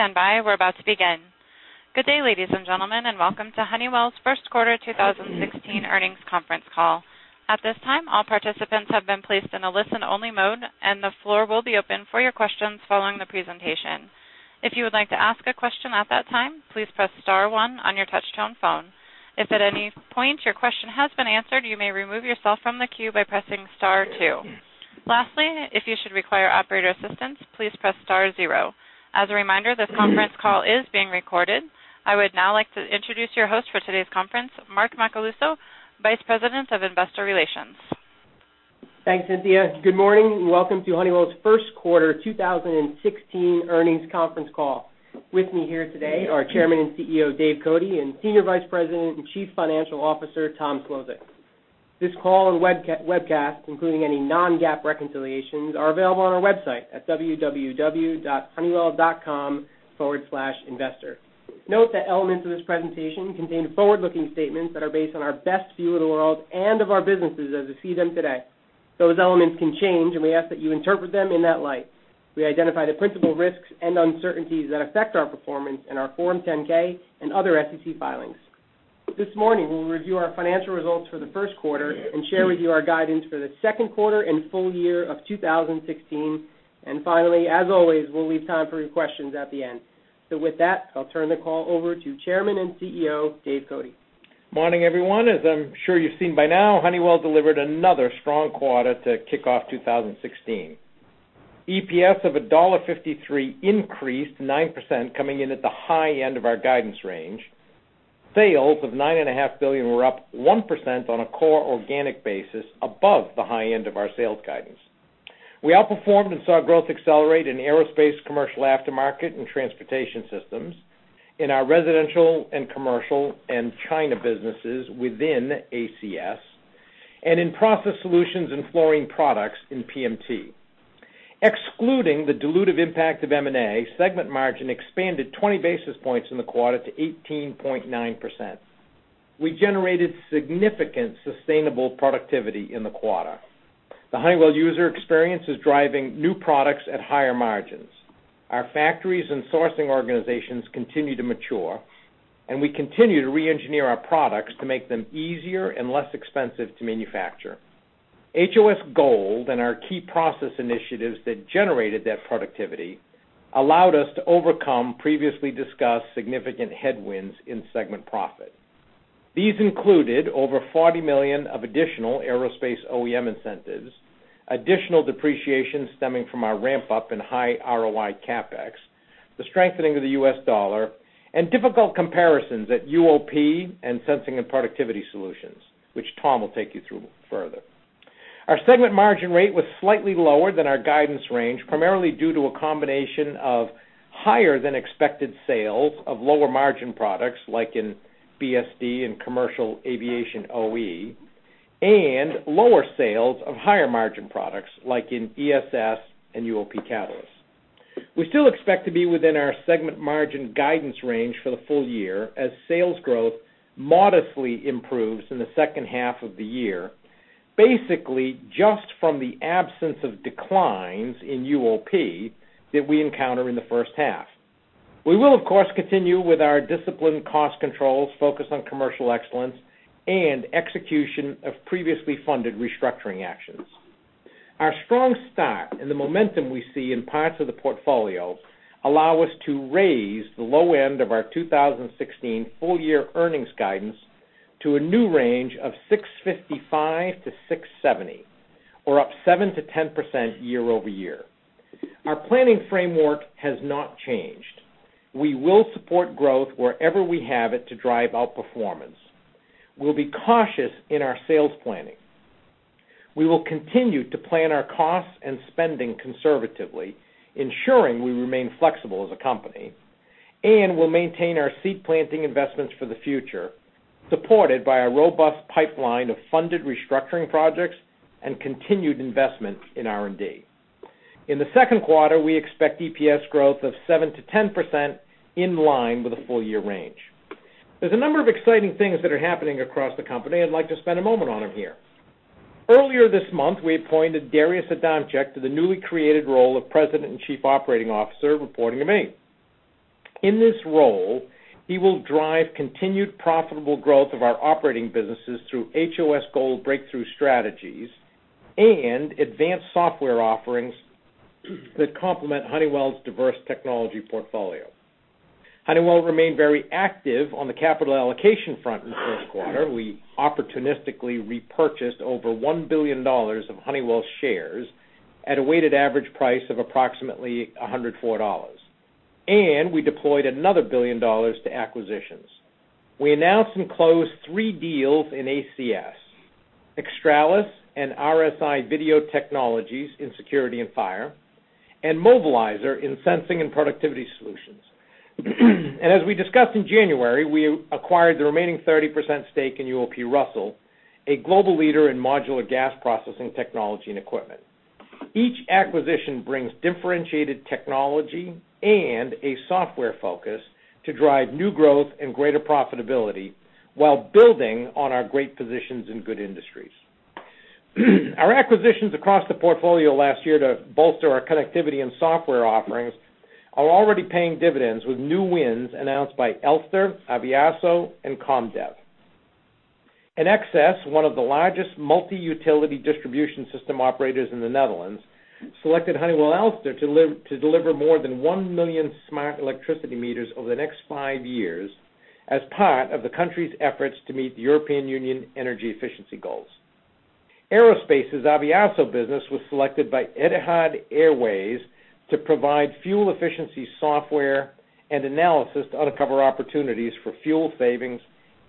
Standby. We're about to begin. Good day, ladies and gentlemen, welcome to Honeywell's first quarter 2016 earnings conference call. At this time, all participants have been placed in a listen-only mode, the floor will be open for your questions following the presentation. If you would like to ask a question at that time, please press star one on your touch-tone phone. If at any point your question has been answered, you may remove yourself from the queue by pressing star two. If you should require operator assistance, please press star zero. As a reminder, this conference call is being recorded. I would now like to introduce your host for today's conference, Mark Macaluso, Vice President of Investor Relations. Thanks, Cynthia. Good morning. Welcome to Honeywell's first quarter 2016 earnings conference call. With me here today are Chairman and CEO, Dave Cote, and Senior Vice President and Chief Financial Officer, Tom Szlosek. This call and webcast, including any non-GAAP reconciliations, are available on our website at www.honeywell.com/investor. Note that elements of this presentation contain forward-looking statements that are based on our best view of the world and of our businesses as we see them today. Those elements can change, and we ask that you interpret them in that light. We identify the principal risks and uncertainties that affect our performance in our Form 10-K and other SEC filings. This morning, we'll review our financial results for the first quarter and share with you our guidance for the second quarter and full year of 2016. Finally, as always, we'll leave time for your questions at the end. With that, I'll turn the call over to Chairman and CEO, Dave Cote. Morning, everyone. As I'm sure you've seen by now, Honeywell delivered another strong quarter to kick off 2016. EPS of $1.53 increased 9%, coming in at the high end of our guidance range. Sales of $9.5 billion were up 1% on a core organic basis above the high end of our sales guidance. We outperformed and saw growth accelerate in aerospace, commercial aftermarket and Transportation Systems, in our residential and commercial and China businesses within ACS, and in Process Solutions and fluorine products in PMT. Excluding the dilutive impact of M&A, segment margin expanded 20 basis points in the quarter to 18.9%. We generated significant sustainable productivity in the quarter. The Honeywell User Experience is driving new products at higher margins. Our factories and sourcing organizations continue to mature, we continue to reengineer our products to make them easier and less expensive to manufacture. HOS Gold and our key process initiatives that generated that productivity allowed us to overcome previously discussed significant headwinds in segment profit. These included over $40 million of additional aerospace OEM incentives, additional depreciation stemming from our ramp-up in high ROI CapEx, the strengthening of the U.S. dollar, and difficult comparisons at UOP and Sensing and Productivity Solutions, which Tom will take you through further. Our segment margin rate was slightly lower than our guidance range, primarily due to a combination of higher than expected sales of lower margin products, like in BSD and commercial aviation OE, and lower sales of higher margin products, like in ESS and UOP Catalysts. We still expect to be within our segment margin guidance range for the full year as sales growth modestly improves in the second half of the year, basically just from the absence of declines in UOP that we encounter in the first half. We will, of course, continue with our disciplined cost controls focused on commercial excellence and execution of previously funded restructuring actions. Our strong start and the momentum we see in parts of the portfolio allow us to raise the low end of our 2016 full year earnings guidance to a new range of $6.55-$6.70, or up 7%-10% year-over-year. Our planning framework has not changed. We will support growth wherever we have it to drive out performance. We'll be cautious in our sales planning. We will continue to plan our costs and spending conservatively, ensuring we remain flexible as a company, and we'll maintain our seed planting investments for the future, supported by a robust pipeline of funded restructuring projects and continued investment in R&D. In the second quarter, we expect EPS growth of 7%-10% in line with the full-year range. There's a number of exciting things that are happening across the company. I'd like to spend a moment on them here. Earlier this month, we appointed Darius Adamczyk to the newly created role of President and Chief Operating Officer, reporting to me. In this role, he will drive continued profitable growth of our operating businesses through HOS Gold breakthrough strategies and advanced software offerings that complement Honeywell's diverse technology portfolio. Honeywell remained very active on the capital allocation front in the first quarter. We opportunistically repurchased over $1 billion of Honeywell shares at a weighted average price of approximately $104, and we deployed another billion dollars to acquisitions. We announced and closed three deals in ACS, Xtralis and RSI Video Technologies in security and fire, and Movilizer in Sensing and Productivity Solutions. As we discussed in January, we acquired the remaining 30% stake in UOP Russell, a global leader in modular gas processing technology and equipment. Each acquisition brings differentiated technology and a software focus to drive new growth and greater profitability while building on our great positions in good industries. Our acquisitions across the portfolio last year to bolster our connectivity and software offerings are already paying dividends, with new wins announced by Elster, Aviaso, and COM DEV. Enexis, one of the largest multi-utility distribution system operators in the Netherlands, selected Honeywell Elster to deliver more than 1 million smart electricity meters over the next 5 years as part of the European Union’s energy efficiency goals. Aerospace’s Aviaso business was selected by Etihad Airways to provide fuel efficiency software and analysis to uncover opportunities for fuel savings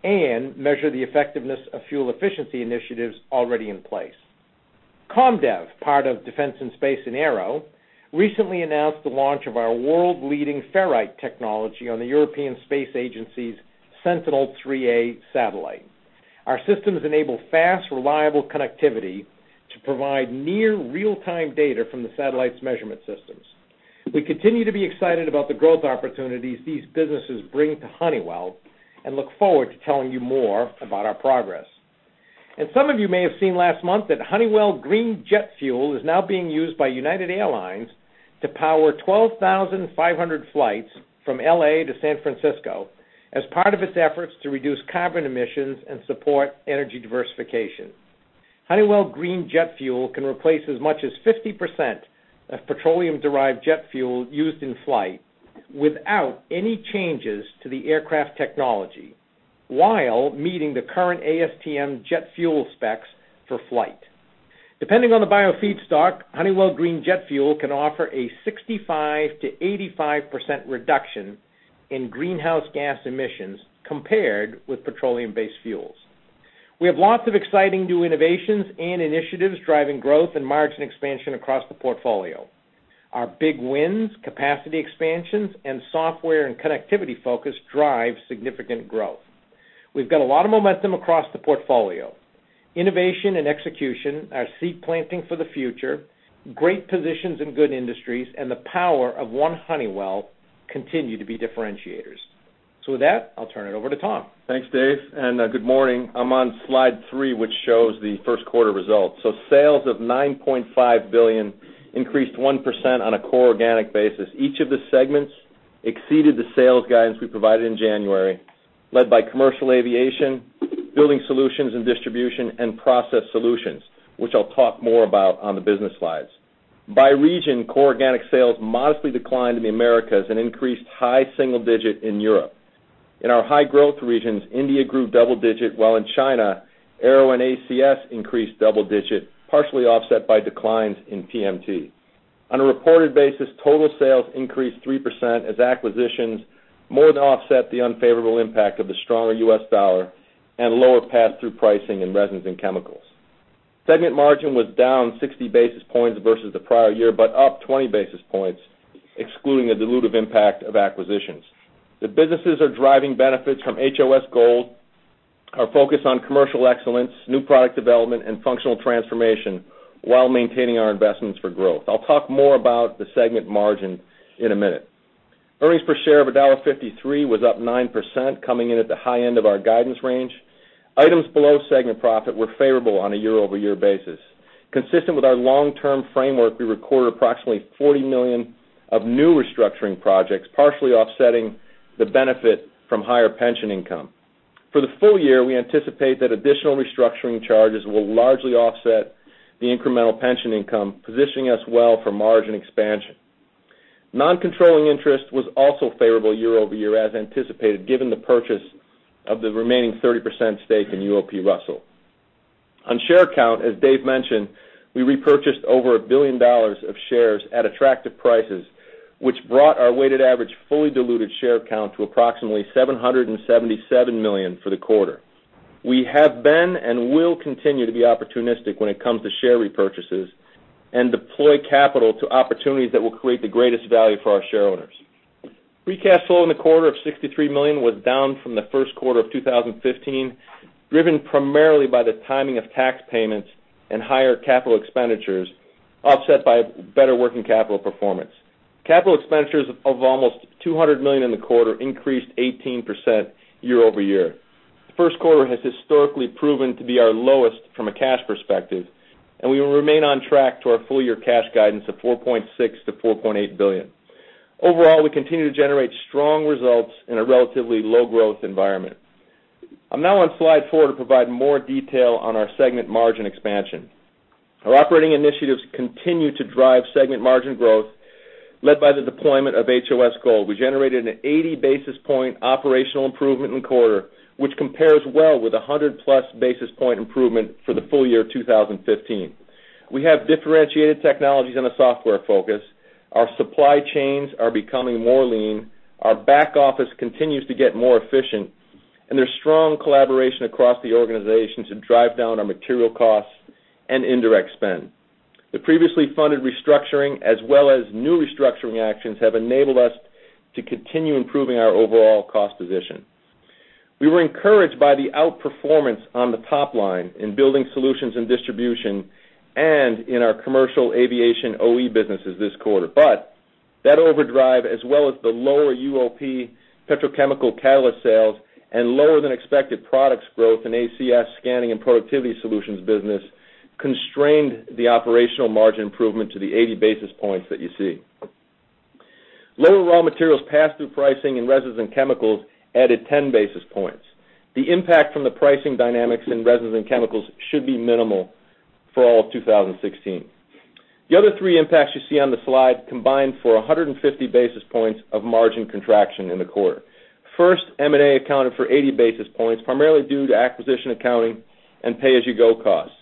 and measure the effectiveness of fuel efficiency initiatives already in place. COM DEV, part of Defense & Space and Aero, recently announced the launch of our world-leading ferrite technology on the European Space Agency’s Sentinel-3A satellite. Our systems enable fast, reliable connectivity to provide near real-time data from the satellite’s measurement systems. We continue to be excited about the growth opportunities these businesses bring to Honeywell and look forward to telling you more about our progress. Some of you may have seen last month that Honeywell Green Jet Fuel is now being used by United Airlines to power 12,500 flights from L.A. to San Francisco as part of its efforts to reduce carbon emissions and support energy diversification. Honeywell Green Jet Fuel can replace as much as 50% of petroleum-derived jet fuel used in flight without any changes to the aircraft technology, while meeting the current ASTM jet fuel specs for flight. Depending on the biofeed stock, Honeywell Green Jet Fuel can offer a 65%-85% reduction in greenhouse gas emissions compared with petroleum-based fuels. We have lots of exciting new innovations and initiatives driving growth and margin expansion across the portfolio. Our big wins, capacity expansions, and software and connectivity focus drive significant growth. We’ve got a lot of momentum across the portfolio. Innovation and execution are seed planting for the future. Great positions in good industries and the power of one Honeywell continue to be differentiators. With that, I’ll turn it over to Tom. Thanks, Dave, and good morning. I’m on slide three, which shows the first quarter results. Sales of $9.5 billion increased 1% on a core organic basis. Each of the segments exceeded the sales guidance we provided in January, led by Commercial Aviation, Building Solutions and distribution, and Process Solutions, which I’ll talk more about on the business slides. By region, core organic sales modestly declined in the Americas and increased high single digit in Europe. In our high-growth regions, India grew double digit, while in China, Aero and ACS increased double digit, partially offset by declines in PMT. On a reported basis, total sales increased 3% as acquisitions more than offset the unfavorable impact of the stronger U.S. dollar and lower pass-through pricing in Resins and Chemicals. Segment margin was down 60 basis points versus the prior year, but up 20 basis points, excluding the dilutive impact of acquisitions. The businesses are driving benefits from HOS Gold, are focused on commercial excellence, new product development, and functional transformation while maintaining our investments for growth. I'll talk more about the segment margin in a minute. Earnings per share of $1.53 was up 9%, coming in at the high end of our guidance range. Items below segment profit were favorable on a year-over-year basis. Consistent with our long-term framework, we recorded approximately $40 million of new restructuring projects, partially offsetting the benefit from higher pension income. For the full year, we anticipate that additional restructuring charges will largely offset the incremental pension income, positioning us well for margin expansion. Non-controlling interest was also favorable year-over-year as anticipated, given the purchase of the remaining 30% stake in UOP Russell. On share count, as Dave mentioned, we repurchased over $1 billion of shares at attractive prices, which brought our weighted average fully diluted share count to approximately 777 million for the quarter. We have been and will continue to be opportunistic when it comes to share repurchases and deploy capital to opportunities that will create the greatest value for our shareholders. Free cash flow in the quarter of $63 million was down from the first quarter of 2015, driven primarily by the timing of tax payments and higher Capital expenditures, offset by better working capital performance. Capital expenditures of almost $200 million in the quarter increased 18% year-over-year. The first quarter has historically proven to be our lowest from a cash perspective, and we will remain on track to our full-year cash guidance of $4.6 billion-$4.8 billion. We continue to generate strong results in a relatively low-growth environment. I'm now on slide four to provide more detail on our segment margin expansion. Our operating initiatives continue to drive segment margin growth, led by the deployment of HOS Gold. We generated an 80 basis point operational improvement in quarter, which compares well with 100-plus basis point improvement for the full-year 2015. We have differentiated technologies and a software focus. Our supply chains are becoming more lean. Our back office continues to get more efficient, and there's strong collaboration across the organization to drive down our material costs and indirect spend. The previously funded restructuring as well as new restructuring actions have enabled us to continue improving our overall cost position. We were encouraged by the outperformance on the top line in building solutions and distribution and in our Commercial Aviation OE businesses this quarter. That overdrive, as well as the lower UOP petrochemical catalyst sales and lower than expected products growth in Sensing and Productivity Solutions business, constrained the operational margin improvement to the 80 basis points that you see. Lower raw materials pass-through pricing in Resins and Chemicals added 10 basis points. The impact from the pricing dynamics in Resins and Chemicals should be minimal for all of 2016. The other three impacts you see on the slide combined for 150 basis points of margin contraction in the quarter. First, M&A accounted for 80 basis points, primarily due to acquisition accounting and pay-as-you-go costs.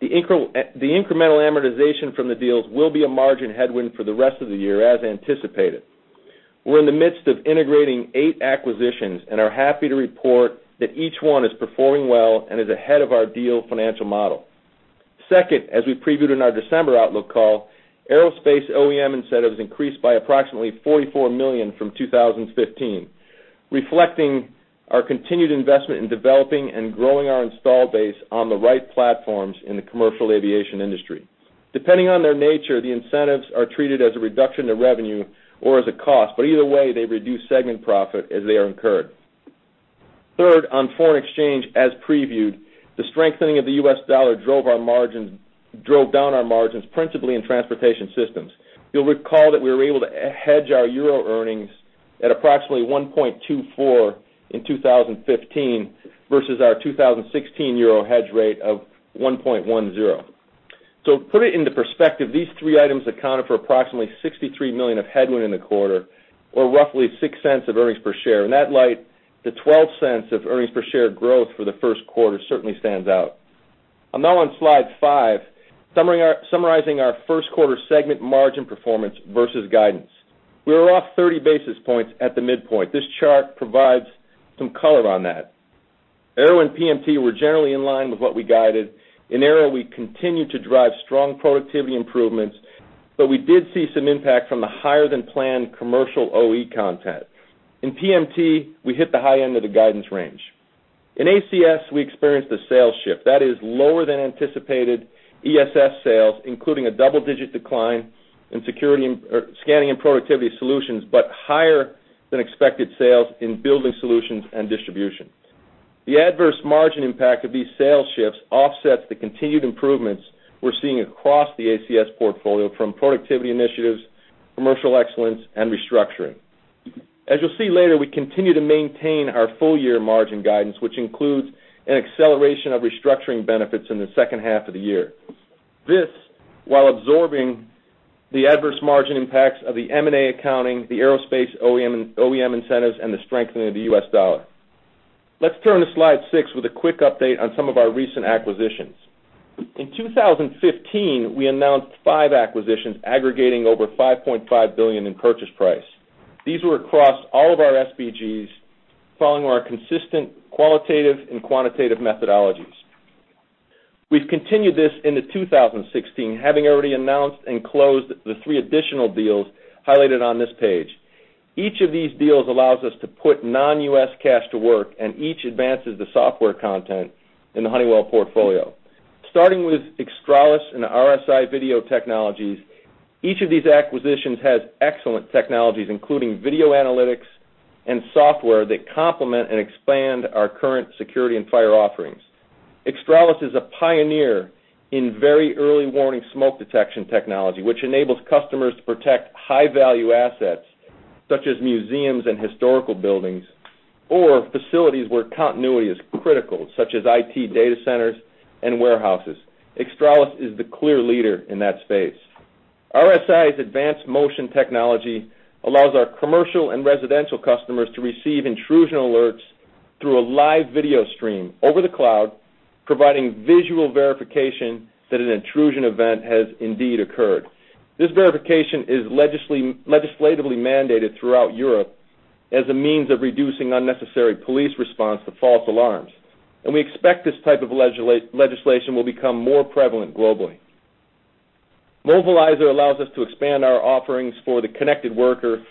The incremental amortization from the deals will be a margin headwind for the rest of the year, as anticipated. We're in the midst of integrating eight acquisitions and are happy to report that each one is performing well and is ahead of our deal financial model. Second, as we previewed in our December outlook call, Aerospace OEM incentives increased by approximately $44 million from 2015, reflecting our continued investment in developing and growing our installed base on the right platforms in the Commercial Aviation industry. Depending on their nature, the incentives are treated as a reduction to revenue or as a cost, but either way, they reduce segment profit as they are incurred. Third, on foreign exchange, as previewed, the strengthening of the U.S. dollar drove down our margins, principally in Transportation Systems. You'll recall that we were able to hedge our EUR earnings at approximately 1.24 in 2015 versus our 2016 euro hedge rate of 1.10. To put it into perspective, these three items accounted for approximately $63 million of headwind in the quarter, or roughly $0.06 of earnings per share. In that light, the $0.12 of earnings per share growth for the first quarter certainly stands out. I'm now on slide five, summarizing our first quarter segment margin performance versus guidance. We were off 30 basis points at the midpoint. This chart provides some color on that. Aero and PMT were generally in line with what we guided. In Aero, we continued to drive strong productivity improvements, but we did see some impact from the higher-than-planned commercial OE content. In PMT, we hit the high end of the guidance range. In ACS, we experienced a sales shift. That is lower than anticipated ESS sales, including a double-digit decline in Sensing and Productivity Solutions, but higher than expected sales in Honeywell Building Solutions and distribution. The adverse margin impact of these sales shifts offsets the continued improvements we're seeing across the ACS portfolio from productivity initiatives, commercial excellence, and restructuring. As you'll see later, we continue to maintain our full year margin guidance, which includes an acceleration of restructuring benefits in the second half of the year. This while absorbing the adverse margin impacts of the M&A accounting, the Aerospace OEM incentives, and the strengthening of the U.S. dollar. Let's turn to slide six with a quick update on some of our recent acquisitions. In 2015, we announced five acquisitions aggregating over $5.5 billion in purchase price. These were across all of our SBGs, following our consistent qualitative and quantitative methodologies. We've continued this into 2016, having already announced and closed the three additional deals highlighted on this page. Each of these deals allows us to put non-U.S. cash to work, and each advances the software content in the Honeywell portfolio. Starting with Xtralis and RSI Video Technologies, each of these acquisitions has excellent technologies, including video analytics and software that complement and expand our current security and fire offerings. Xtralis is a pioneer in very early warning smoke detection technology, which enables customers to protect high-value assets such as museums and historical buildings, or facilities where continuity is critical, such as IT data centers and warehouses. Xtralis is the clear leader in that space. RSI's advanced motion technology allows our commercial and residential customers to receive intrusion alerts through a live video stream over the cloud, providing visual verification that an intrusion event has indeed occurred. This verification is legislatively mandated throughout Europe as a means of reducing unnecessary police response to false alarms. We expect this type of legislation will become more prevalent globally. Movilizer allows us to expand our offerings for the connected worker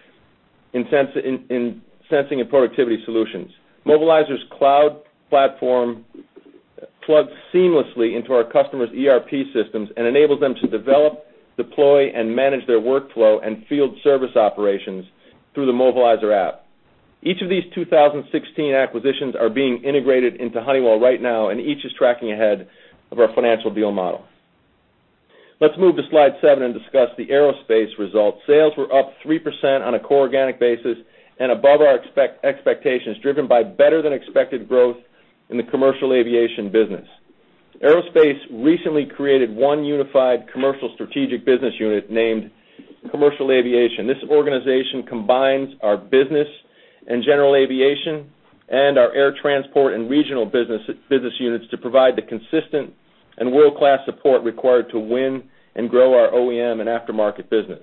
in Sensing and Productivity Solutions. Movilizer's cloud platform plugs seamlessly into our customers' ERP systems and enables them to develop, deploy, and manage their workflow and field service operations through the Movilizer app. Each of these 2016 acquisitions are being integrated into Honeywell right now, and each is tracking ahead of our financial deal model. Let's move to slide seven and discuss the Aerospace results. Sales were up 3% on a core organic basis and above our expectations, driven by better than expected growth in the Commercial Aviation business. Aerospace recently created one unified commercial strategic business unit named Commercial Aviation. This organization combines our business and general aviation and our air transport and regional business units to provide the consistent and world-class support required to win and grow our OEM and aftermarket business.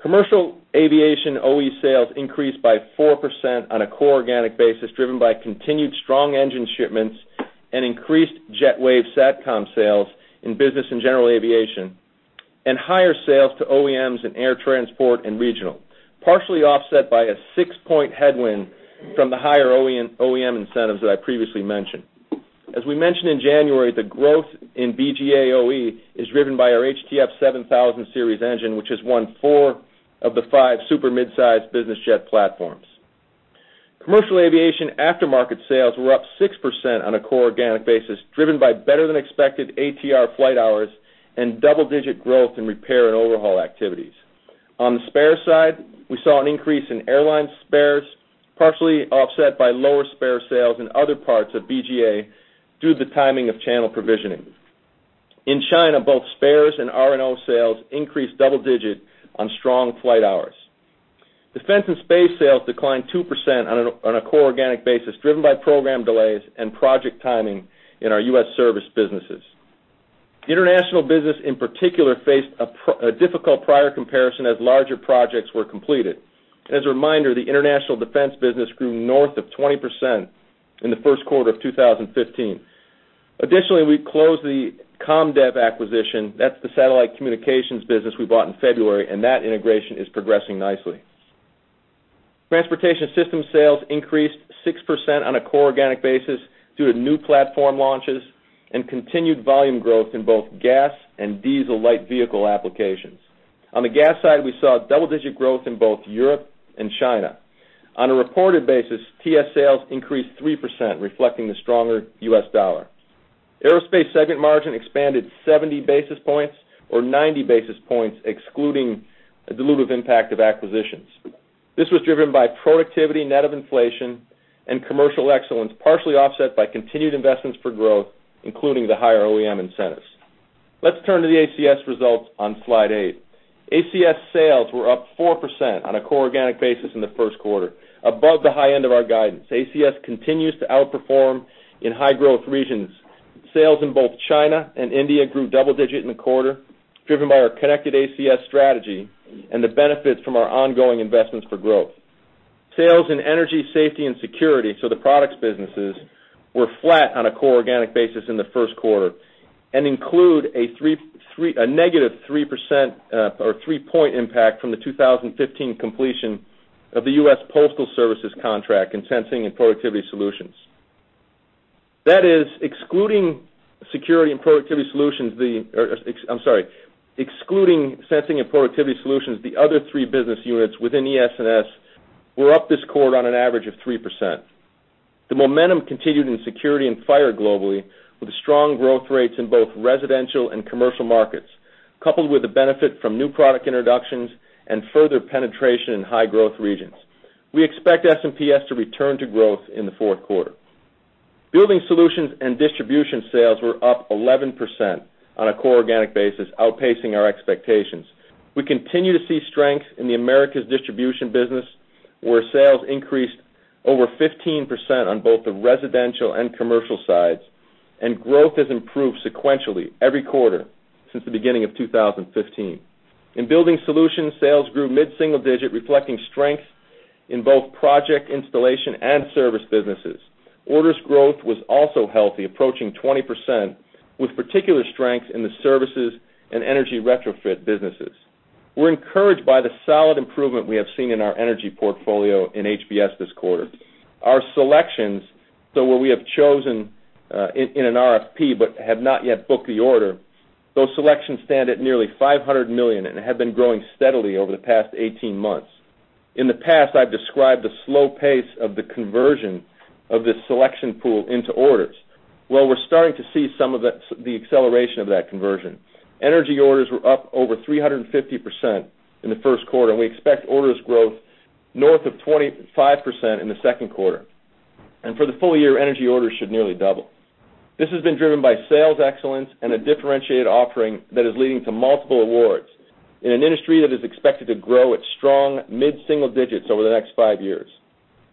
Commercial Aviation OE sales increased by 4% on a core organic basis, driven by continued strong engine shipments and increased JetWave SATCOM sales in business and general aviation, and higher sales to OEMs in air transport and regional. Partially offset by a six-point headwind from the higher OEM incentives that I previously mentioned. As we mentioned in January, the growth in BGA OE is driven by our HTF7000 Series engine, which has won four of the five super midsize business jet platforms. Commercial Aviation aftermarket sales were up 6% on a core organic basis, driven by better than expected ATR flight hours and double-digit growth in repair and overhaul activities. On the spare side, we saw an increase in airline spares, partially offset by lower spare sales in other parts of BGA due to the timing of channel provisioning. In China, both spares and R&O sales increased double-digit on strong flight hours. Defense & Space sales declined 2% on a core organic basis, driven by program delays and project timing in our U.S. service businesses. The international business, in particular, faced a difficult prior comparison as larger projects were completed. As a reminder, the international defense business grew north of 20% in the first quarter of 2015. Additionally, we closed the COM DEV acquisition. That's the satellite communications business we bought in February, and that integration is progressing nicely. Transportation Systems sales increased 6% on a core organic basis due to new platform launches and continued volume growth in both gas and diesel light vehicle applications. On the gas side, we saw double-digit growth in both Europe and China. On a reported basis, TS sales increased 3%, reflecting the stronger U.S. dollar. Aerospace segment margin expanded 70 basis points or 90 basis points, excluding the dilutive impact of acquisitions. This was driven by productivity net of inflation and commercial excellence, partially offset by continued investments for growth, including the higher OEM incentives. Let's turn to the ACS results on slide eight. ACS sales were up 4% on a core organic basis in the first quarter, above the high end of our guidance. ACS continues to outperform in high growth regions. Sales in both China and India grew double-digit in the quarter, driven by our connected ACS strategy and the benefits from our ongoing investments for growth. Sales in energy, safety, and security, so the products businesses, were flat on a core organic basis in the first quarter and include a negative 3% or three-point impact from the 2015 completion of the United States Postal Service contract in Sensing and Productivity Solutions. That is, excluding Sensing and Productivity Solutions, the other three business units within ES&S were up this quarter on an average of 3%. The momentum continued in security and fire globally, with strong growth rates in both residential and commercial markets, coupled with the benefit from new product introductions and further penetration in high growth regions. We expect S&PS to return to growth in the fourth quarter. Building Solutions and distribution sales were up 11% on a core organic basis, outpacing our expectations. We continue to see strength in the Americas distribution business, where sales increased over 15% on both the residential and commercial sides, and growth has improved sequentially every quarter since the beginning of 2015. In Building Solutions, sales grew mid-single digit, reflecting strength in both project installation and service businesses. Orders growth was also healthy, approaching 20%, with particular strength in the services and energy retrofit businesses. We're encouraged by the solid improvement we have seen in our energy portfolio in HBS this quarter. Our selections, so what we have chosen in an RFP, but have not yet booked the order, those selections stand at nearly $500 million and have been growing steadily over the past 18 months. In the past, I've described the slow pace of the conversion of this selection pool into orders. We're starting to see some of the acceleration of that conversion. Energy orders were up over 350% in the first quarter, and we expect orders growth north of 25% in the second quarter. For the full year, energy orders should nearly double. This has been driven by sales excellence and a differentiated offering that is leading to multiple awards in an industry that is expected to grow at strong mid-single digits over the next five years.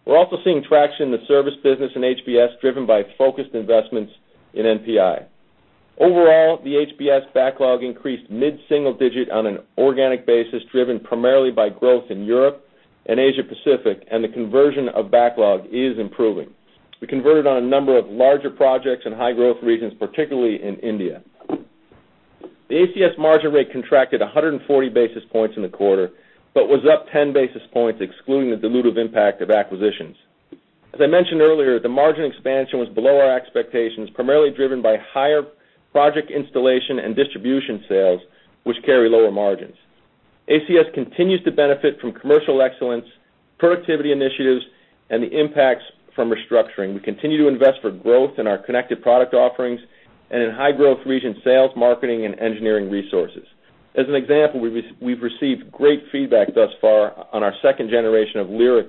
We're also seeing traction in the service business in HBS, driven by focused investments in NPI. Overall, the HBS backlog increased mid-single digit on an organic basis, driven primarily by growth in Europe and Asia Pacific, and the conversion of backlog is improving. We converted on a number of larger projects in high growth regions, particularly in India. The ACS margin rate contracted 140 basis points in the quarter, but was up 10 basis points excluding the dilutive impact of acquisitions. As I mentioned earlier, the margin expansion was below our expectations, primarily driven by higher project installation and distribution sales, which carry lower margins. ACS continues to benefit from commercial excellence, productivity initiatives, and the impacts from restructuring. We continue to invest for growth in our connected product offerings and in high growth region sales, marketing, and engineering resources. As an example, we've received great feedback thus far on our second generation of Lyric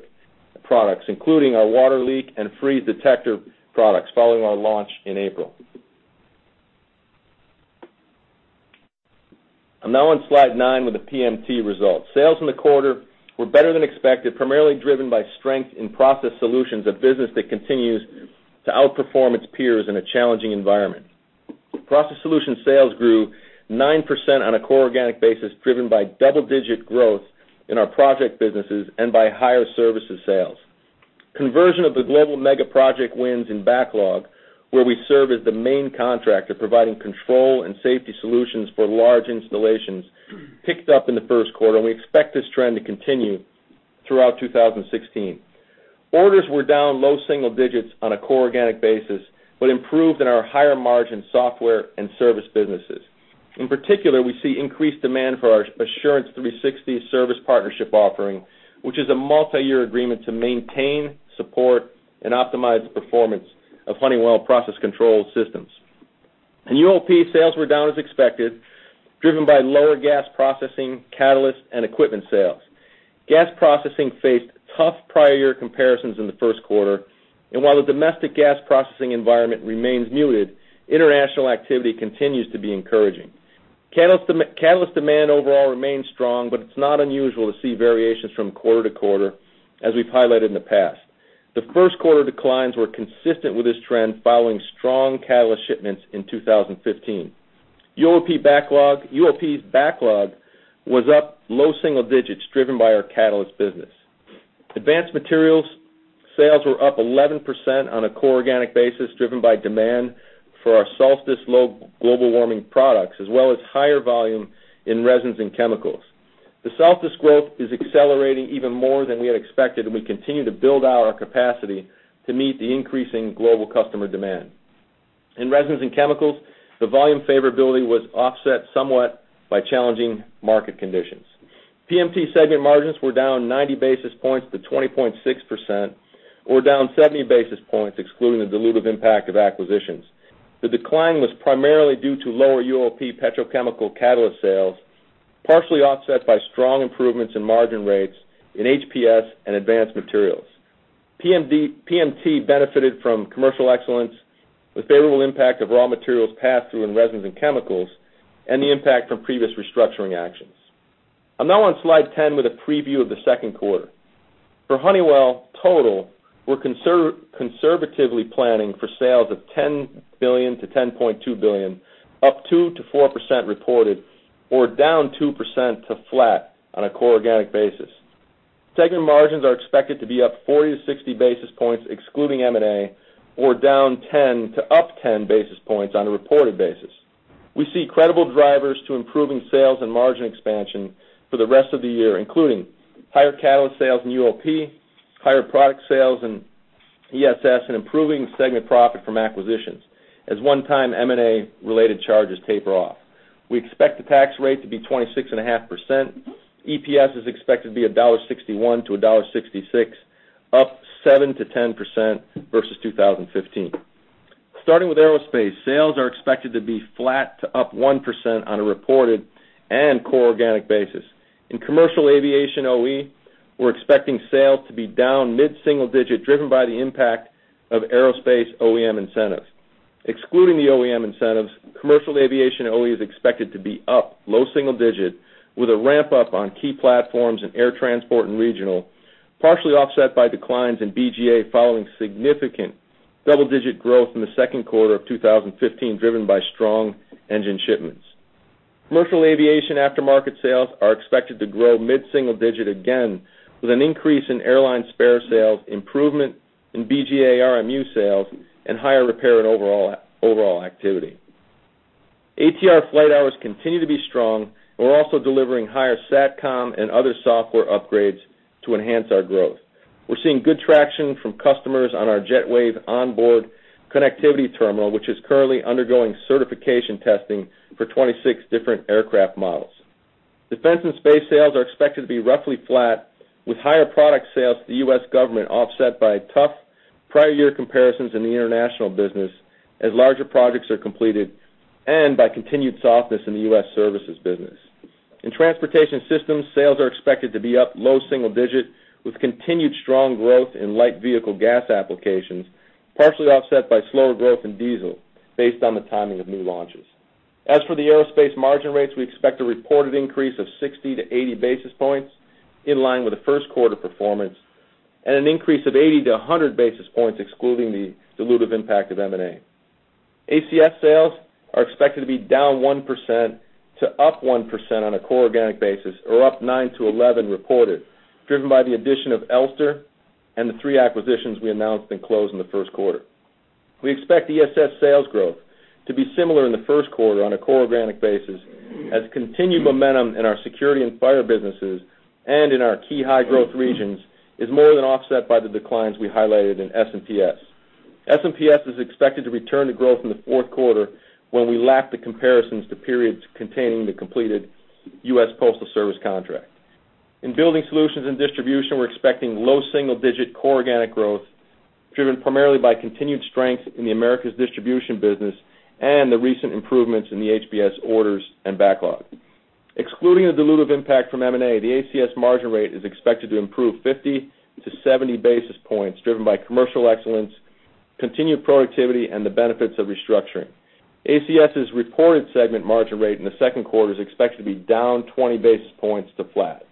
products, including our water leak and freeze detector products following our launch in April. I'm now on slide nine with the PMT results. Sales in the quarter were better than expected, primarily driven by strength in Process Solutions, a business that continues to outperform its peers in a challenging environment. Process Solutions sales grew 9% on a core organic basis, driven by double-digit growth in our project businesses and by higher services sales. Conversion of the global mega project wins in backlog, where we serve as the main contractor providing control and safety solutions for large installations, picked up in the first quarter, and we expect this trend to continue throughout 2016. Orders were down low single digits on a core organic basis, but improved in our higher margin software and service businesses. In particular, we see increased demand for our Assurance 360 service partnership offering, which is a multi-year agreement to maintain, support, and optimize the performance of Honeywell process control systems. In UOP, sales were down as expected, driven by lower gas processing, catalyst, and equipment sales. Gas processing faced tough prior year comparisons in the first quarter. While the domestic gas processing environment remains muted, international activity continues to be encouraging. Catalyst demand overall remains strong. It's not unusual to see variations from quarter to quarter, as we've highlighted in the past. The first quarter declines were consistent with this trend, following strong catalyst shipments in 2015. UOP's backlog was up low single digits, driven by our catalyst business. Advanced Materials sales were up 11% on a core organic basis, driven by demand for our Solstice global warming products, as well as higher volume in resins and chemicals. The Solstice growth is accelerating even more than we had expected. We continue to build out our capacity to meet the increasing global customer demand. In resins and chemicals, the volume favorability was offset somewhat by challenging market conditions. PMT segment margins were down 90 basis points to 20.6%, or down 70 basis points excluding the dilutive impact of acquisitions. The decline was primarily due to lower UOP petrochemical catalyst sales, partially offset by strong improvements in margin rates in HPS and advanced materials. PMT benefited from commercial excellence with favorable impact of raw materials passed through in resins and chemicals. The impact from previous restructuring actions. I'm now on slide 10 with a preview of the second quarter. For Honeywell total, we're conservatively planning for sales of $10 billion-$10.2 billion, up 2%-4% reported, or down 2% to flat on a core organic basis. Segment margins are expected to be up 40-60 basis points excluding M&A, or down 10 to up 10 basis points on a reported basis. We see credible drivers to improving sales and margin expansion for the rest of the year, including higher catalyst sales in UOP, higher product sales in ESS. Improving segment profit from acquisitions as one-time M&A related charges taper off. We expect the tax rate to be 26.5%. EPS is expected to be $1.61-$1.66, up 7%-10% versus 2015. Starting with aerospace, sales are expected to be flat to up 1% on a reported and core organic basis. In Commercial Aviation OE, we're expecting sales to be down mid-single digit, driven by the impact of aerospace OEM incentives. Excluding the OEM incentives, Commercial Aviation OE is expected to be up low single digits with a ramp-up on key platforms in air transport and regional, partially offset by declines in BGA following significant double-digit growth in the second quarter of 2015, driven by strong engine shipments. Commercial aviation aftermarket sales are expected to grow mid-single digit again, with an increase in airline spare sales, improvement in BGA RMU sales. Higher repair and overall activity. ATR flight hours continue to be strong. We're also delivering higher SATCOM and other software upgrades to enhance our growth. We're seeing good traction from customers on our JetWave onboard connectivity terminal, which is currently undergoing certification testing for 26 different aircraft models. Defense & Space sales are expected to be roughly flat, with higher product sales to the U.S. government offset by tough prior year comparisons in the international business as larger projects are completed, and by continued softness in the U.S. services business. In Transportation Systems, sales are expected to be up low single digits with continued strong growth in light vehicle gas applications, partially offset by slower growth in diesel based on the timing of new launches. As for the Aerospace margin rates, we expect a reported increase of 60-80 basis points, in line with the first quarter performance, and an increase of 80-100 basis points excluding the dilutive impact of M&A. ACS sales are expected to be down 1% to up 1% on a core organic basis, or up 9%-11% reported, driven by the addition of Elster and the 3 acquisitions we announced and closed in the first quarter. We expect ESS sales growth to be similar in the first quarter on a core organic basis, as continued momentum in our security and fire businesses and in our key high-growth regions is more than offset by the declines we highlighted in S&PS. S&PS is expected to return to growth in the fourth quarter, when we lack the comparisons to periods containing the completed U.S. Postal Service contract. In Honeywell Building Solutions and distribution, we're expecting low single-digit core organic growth, driven primarily by continued strength in the Americas distribution business and the recent improvements in the HBS orders and backlog. Excluding the dilutive impact from M&A, the ACS margin rate is expected to improve 50-70 basis points, driven by commercial excellence, continued productivity, and the benefits of restructuring. ACS's reported segment margin rate in the second quarter is expected to be down 20 basis points to flat.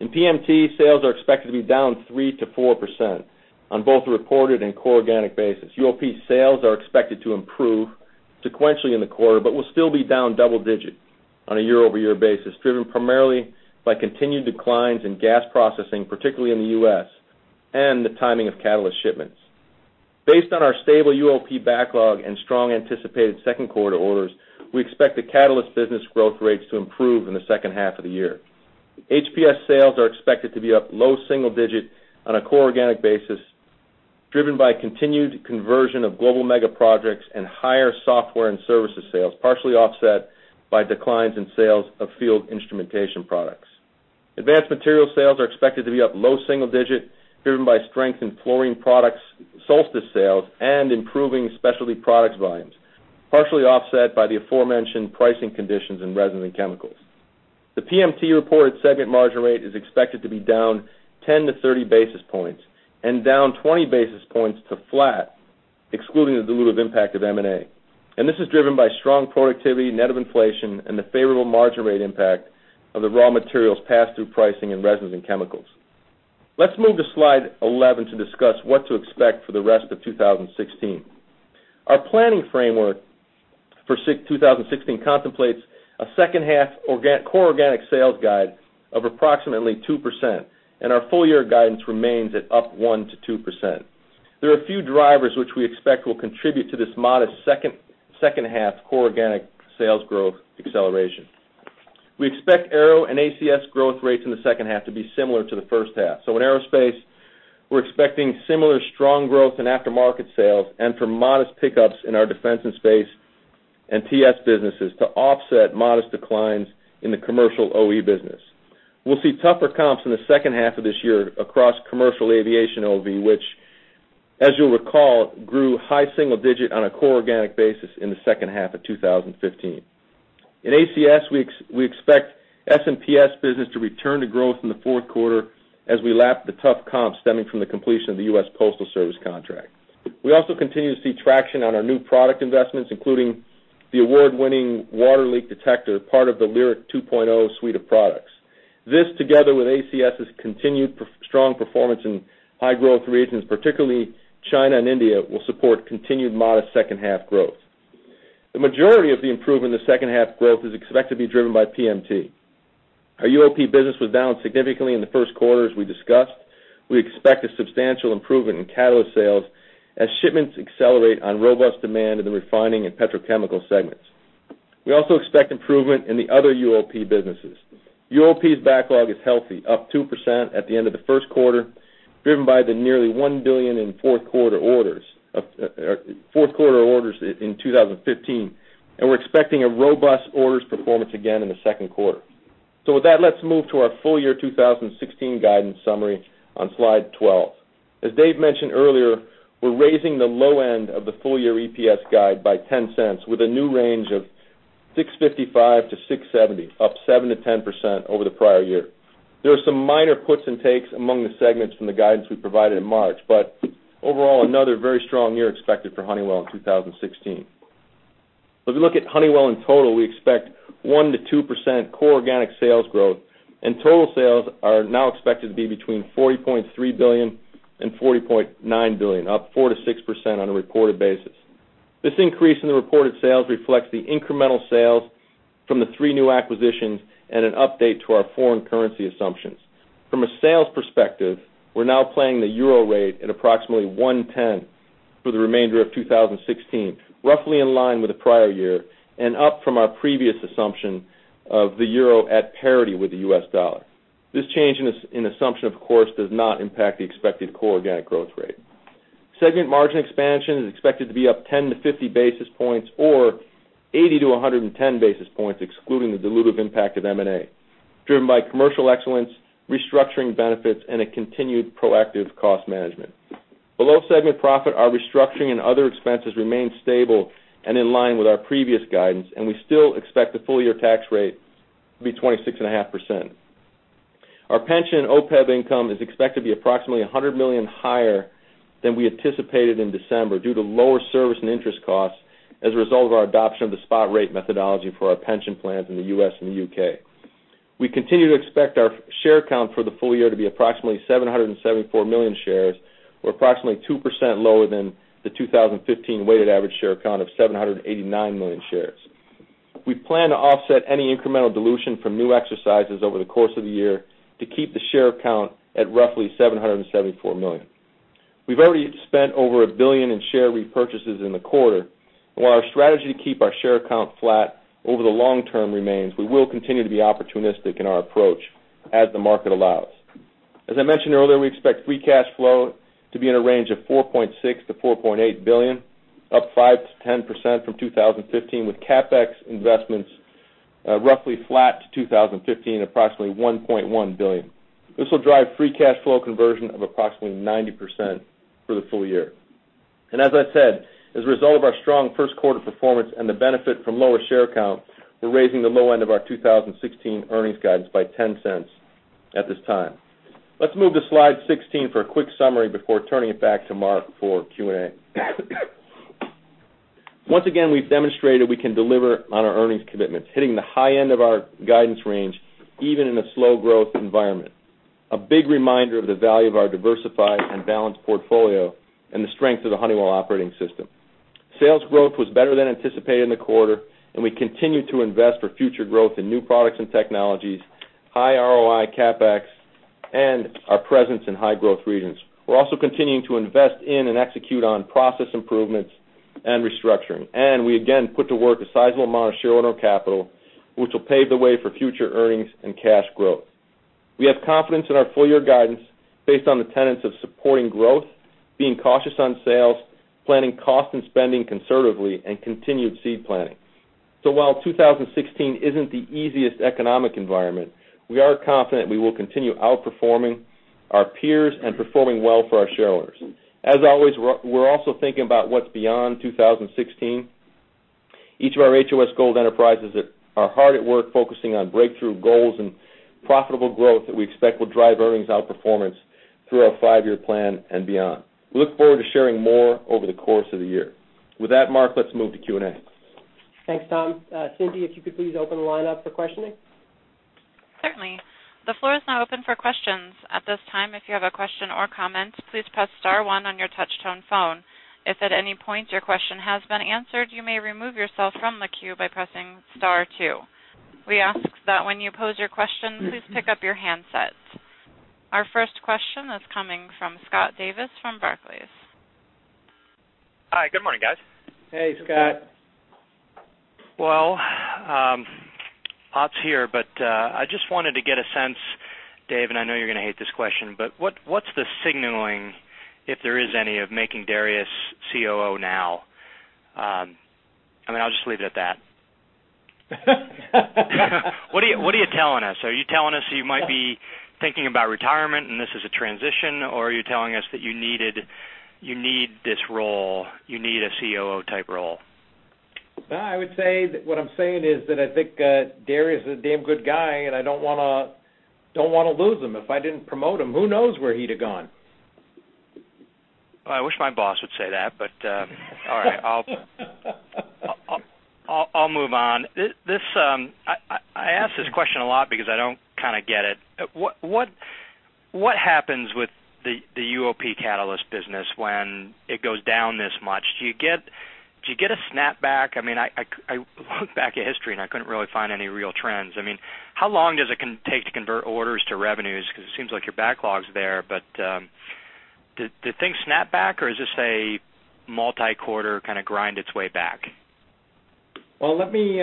In PMT, sales are expected to be down 3%-4% on both a reported and core organic basis. UOP sales are expected to improve sequentially in the quarter, but will still be down double digits. On a year-over-year basis, driven primarily by continued declines in gas processing, particularly in the U.S., and the timing of catalyst shipments. Based on our stable UOP backlog and strong anticipated second quarter orders, we expect the catalyst business growth rates to improve in the second half of the year. HPS sales are expected to be up low single digit on a core organic basis, driven by continued conversion of global mega projects and higher software and services sales, partially offset by declines in sales of field instrumentation products. Advanced material sales are expected to be up low single digit, driven by strength in fluorine products, Solstice sales, and improving specialty products volumes, partially offset by the aforementioned pricing conditions in resin and chemicals. The PMT reported segment margin rate is expected to be down 10-30 basis points, and down 20 basis points to flat, excluding the dilutive impact of M&A. This is driven by strong productivity net of inflation and the favorable margin rate impact of the raw materials passed through pricing and resins and chemicals. Let's move to slide 11 to discuss what to expect for the rest of 2016. Our planning framework for 2016 contemplates a second half core organic sales guide of approximately 2%, and our full year guidance remains at up 1%-2%. There are a few drivers which we expect will contribute to this modest second half core organic sales growth acceleration. We expect Aero and ACS growth rates in the second half to be similar to the first half. In Aerospace, we're expecting similar strong growth in aftermarket sales and for modest pickups in our Defense & Space and TS businesses to offset modest declines in the Commercial OE business. We'll see tougher comps in the second half of this year across Commercial Aviation OE, which as you'll recall, grew high single digit on a core organic basis in the second half of 2015. In ACS, we expect S&PS business to return to growth in the fourth quarter as we lap the tough comps stemming from the completion of the United States Postal Service contract. We also continue to see traction on our new product investments, including the award-winning water leak detector, part of the Lyric 2.0 suite of products. This, together with ACS's continued strong performance in high growth regions, particularly China and India, will support continued modest second half growth. The majority of the improvement in the second half growth is expected to be driven by PMT. Our UOP business was down significantly in the first quarter, as we discussed. We expect a substantial improvement in catalyst sales as shipments accelerate on robust demand in the refining and petrochemical segments. We also expect improvement in the other UOP businesses. UOP's backlog is healthy, up 2% at the end of the first quarter, driven by the nearly $1 billion in fourth quarter orders in 2015. We're expecting a robust orders performance again in the second quarter. With that, let's move to our full year 2016 guidance summary on slide 12. As Dave mentioned earlier, we're raising the low end of the full year EPS guide by $0.10, with a new range of $6.55-$6.70, up 7%-10% over the prior year. There are some minor puts and takes among the segments from the guidance we provided in March. Overall, another very strong year expected for Honeywell in 2016. If you look at Honeywell in total, we expect 1%-2% core organic sales growth. Total sales are now expected to be between $40.3 billion and $40.9 billion, up 4%-6% on a reported basis. This increase in the reported sales reflects the incremental sales from the three new acquisitions and an update to our foreign currency assumptions. From a sales perspective, we're now playing the euro rate at approximately 1.10 for the remainder of 2016, roughly in line with the prior year and up from our previous assumption of the euro at parity with the U.S. dollar. This change in assumption, of course, does not impact the expected core organic growth rate. Segment margin expansion is expected to be up 10 to 50 basis points, or 80 to 110 basis points, excluding the dilutive impact of M&A, driven by commercial excellence, restructuring benefits, and a continued proactive cost management. Below segment profit, our restructuring and other expenses remain stable and in line with our previous guidance, and we still expect the full year tax rate to be 26.5%. Our pension OPEB income is expected to be approximately $100 million higher than we anticipated in December, due to lower service and interest costs as a result of our adoption of the spot rate methodology for our pension plans in the U.S. and the U.K. We continue to expect our share count for the full year to be approximately 774 million shares, or approximately 2% lower than the 2015 weighted average share count of 789 million shares. We plan to offset any incremental dilution from new exercises over the course of the year to keep the share count at roughly 774 million. We've already spent over $1 billion in share repurchases in the quarter. While our strategy to keep our share count flat over the long term remains, we will continue to be opportunistic in our approach as the market allows. As I mentioned earlier, we expect free cash flow to be in a range of $4.6 billion-$4.8 billion, up 5%-10% from 2015, with CapEx investments roughly flat to 2015, approximately $1.1 billion. This will drive free cash flow conversion of approximately 90% for the full year. As I said, as a result of our strong first quarter performance and the benefit from lower share count, we're raising the low end of our 2016 earnings guidance by $0.10 at this time. Let's move to slide 16 for a quick summary before turning it back to Mark for Q&A. Once again, we've demonstrated we can deliver on our earnings commitments, hitting the high end of our guidance range even in a slow growth environment. A big reminder of the value of our diversified and balanced portfolio and the strength of the Honeywell operating system. Sales growth was better than anticipated in the quarter, and we continue to invest for future growth in new products and technologies, high ROI CapEx, and our presence in high growth regions. We're also continuing to invest in and execute on process improvements and restructuring. We again put to work a sizable amount of share owner capital, which will pave the way for future earnings and cash growth. We have confidence in our full year guidance based on the tenets of supporting growth, being cautious on sales, planning cost and spending conservatively, and continued seed planting. While 2016 isn't the easiest economic environment, we are confident we will continue outperforming our peers and performing well for our shareholders. As always, we're also thinking about what's beyond 2016. Each of our HOS Gold enterprises are hard at work focusing on breakthrough goals and profitable growth that we expect will drive earnings outperformance through our five-year plan and beyond. We look forward to sharing more over the course of the year. With that, Mark, let's move to Q&A. Thanks, Tom. Cindy, if you could please open the line up for questioning. Certainly. The floor is now open for questions. At this time, if you have a question or comment, please press star one on your touch-tone phone. If at any point your question has been answered, you may remove yourself from the queue by pressing star two. We ask that when you pose your question, please pick up your handsets. Our first question is coming from Scott Davis from Barclays. Hi, good morning, guys. Hey, Scott. Well, Scott here, but I just wanted to get a sense, Dave, and I know you're going to hate this question, but what's the signaling, if there is any, of making Darius COO now? I mean, I'll just leave it at that. What are you telling us? Are you telling us that you might be thinking about retirement and this is a transition, or are you telling us that you need this role, you need a COO type role? I would say that what I'm saying is that I think Darius is a damn good guy, and I don't want to lose him. If I didn't promote him, who knows where he'd have gone. I wish my boss would say that, but all right. I'll move on. I ask this question a lot because I don't kind of get it. What happens with the UOP catalyst business when it goes down this much? Do you get a snapback? I looked back at history, and I couldn't really find any real trends. How long does it take to convert orders to revenues, because it seems like your backlog's there, but do things snap back, or is this a multi-quarter kind of grind its way back? Well, let me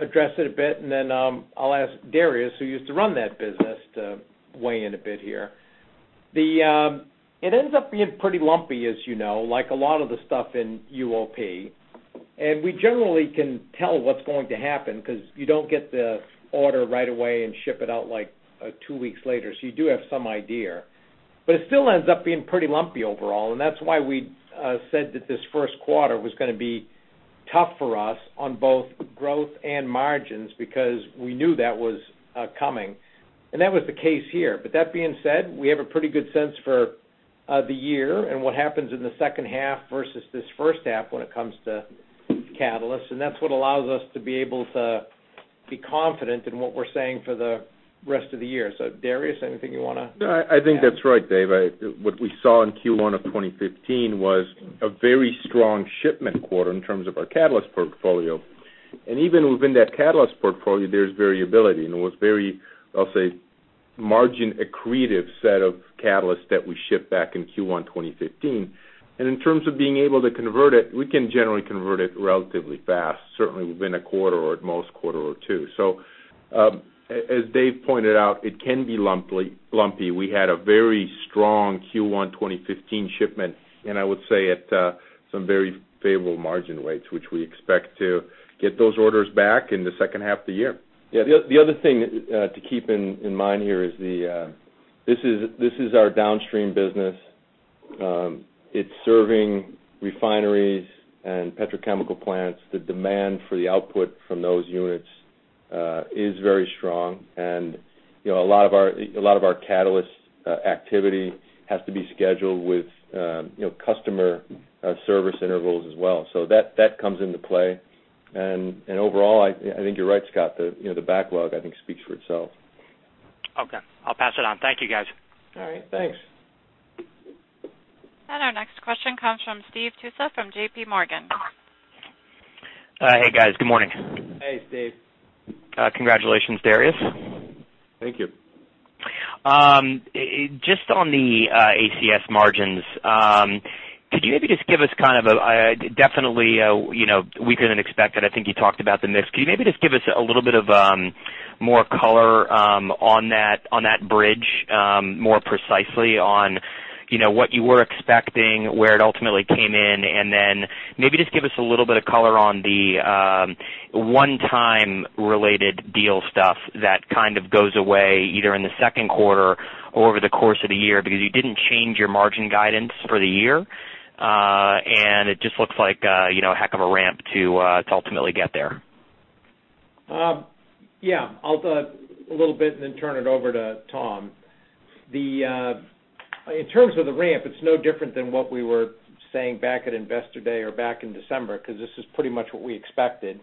address it a bit, and then I'll ask Darius, who used to run that business, to weigh in a bit here. It ends up being pretty lumpy, as you know, like a lot of the stuff in UOP. We generally can tell what's going to happen because you don't get the order right away and ship it out two weeks later. You do have some idea. It still ends up being pretty lumpy overall, and that's why we said that this first quarter was going to be tough for us on both growth and margins, because we knew that was coming. That was the case here. That being said, we have a pretty good sense for the year and what happens in the second half versus this first half when it comes to catalysts, and that's what allows us to be able to be confident in what we're saying for the rest of the year. Darius, anything you want to add? I think that's right, Dave. What we saw in Q1 2015 was a very strong shipment quarter in terms of our catalyst portfolio. Even within that catalyst portfolio, there's variability, and it was very, I'll say, margin accretive set of catalysts that we shipped back in Q1 2015. In terms of being able to convert it, we can generally convert it relatively fast, certainly within a quarter or at most a quarter or two. As Dave pointed out, it can be lumpy. We had a very strong Q1 2015 shipment, and I would say at some very favorable margin rates, which we expect to get those orders back in the second half of the year. Yeah, the other thing to keep in mind here is this is our downstream business. It's serving refineries and petrochemical plants. The demand for the output from those units is very strong, and a lot of our catalyst activity has to be scheduled with customer service intervals as well. That comes into play. Overall, I think you're right, Scott. The backlog, I think, speaks for itself. Okay, I'll pass it on. Thank you, guys. All right, thanks. Our next question comes from Steve Tusa from JPMorgan. Hey, guys. Good morning. Hey, Steve. Congratulations, Darius. Thank you. Just on the ACS margins, could you maybe just give us kind of definitely weaker than expected. I think you talked about the mix. Could you maybe just give us a little bit of more color on that bridge more precisely on what you were expecting, where it ultimately came in, and then maybe just give us a little bit of color on the one-time related deal stuff that kind of goes away either in the second quarter or over the course of the year because you didn't change your margin guidance for the year. It just looks like a heck of a ramp to ultimately get there. Yeah. I'll talk a little bit and then turn it over to Tom. The In terms of the ramp, it's no different than what we were saying back at Investor Day or back in December, because this is pretty much what we expected.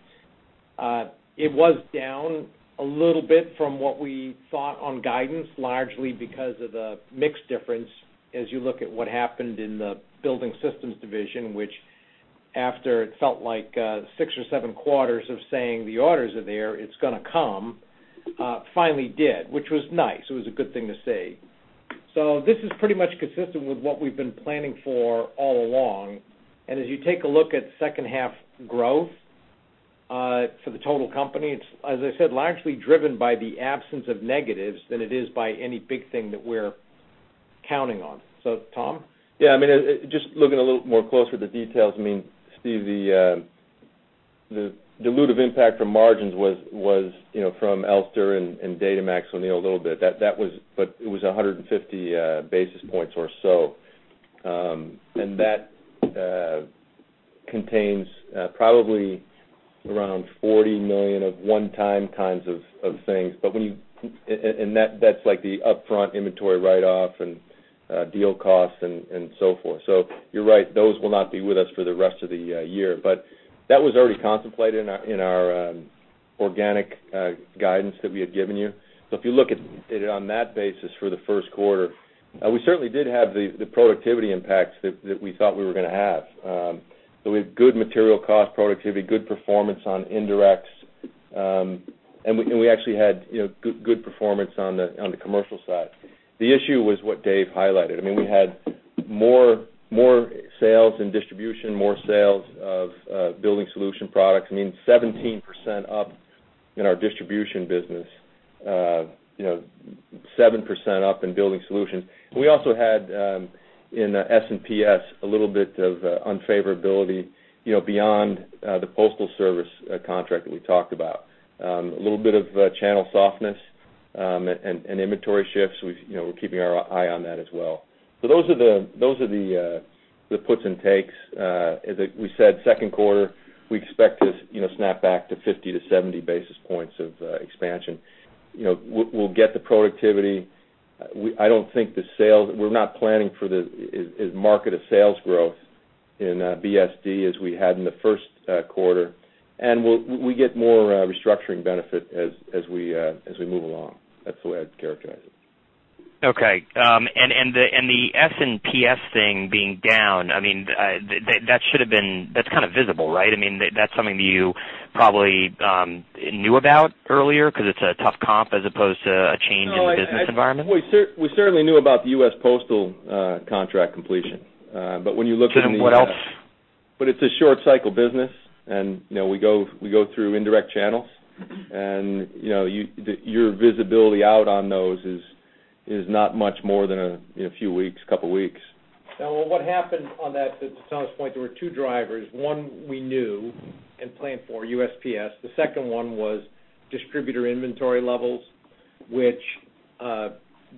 It was down a little bit from what we thought on guidance, largely because of the mix difference, as you look at what happened in the Building Systems division, which after it felt like six or seven quarters of saying the orders are there, it's going to come, finally did, which was nice. It was a good thing to see. This is pretty much consistent with what we've been planning for all along. As you take a look at second half growth for the total company, it's, as I said, largely driven by the absence of negatives than it is by any big thing that we're counting on. Tom? Yeah, just looking a little more closer at the details, Steve, the dilutive impact from margins was from Elster and Datamax-O'Neil a little bit. It was 150 basis points or so. That contains probably around $40 million of one-time kinds of things. That's like the upfront inventory write-off and deal costs and so forth. You're right, those will not be with us for the rest of the year. That was already contemplated in our organic guidance that we had given you. If you look at it on that basis for the first quarter, we certainly did have the productivity impacts that we thought we were going to have, with good material cost productivity, good performance on indirects. We actually had good performance on the commercial side. The issue was what Dave highlighted. We had more sales in distribution, more sales of Building Solutions products, 17% up in our distribution business, 7% up in Building Solutions. We also had, in S&PS, a little bit of unfavorability, beyond the Postal Service contract that we talked about. A little bit of channel softness and inventory shifts. We're keeping our eye on that as well. Those are the puts and takes. As we said, second quarter, we expect to snap back to 50 to 70 basis points of expansion. We'll get the productivity. We're not planning for the market of sales growth in BSD as we had in the first quarter, we get more restructuring benefit as we move along. That's the way I'd characterize it. Okay. The S&PS thing being down, that's kind of visible, right? That's something that you probably knew about earlier because it's a tough comp as opposed to a change in the business environment? We certainly knew about the U.S. Postal contract completion. What else? It's a short cycle business, and we go through indirect channels and your visibility out on those is not much more than a few weeks, couple of weeks. What happened on that, to Tom's point, there were two drivers. One we knew and planned for, USPS. The second one was distributor inventory levels, which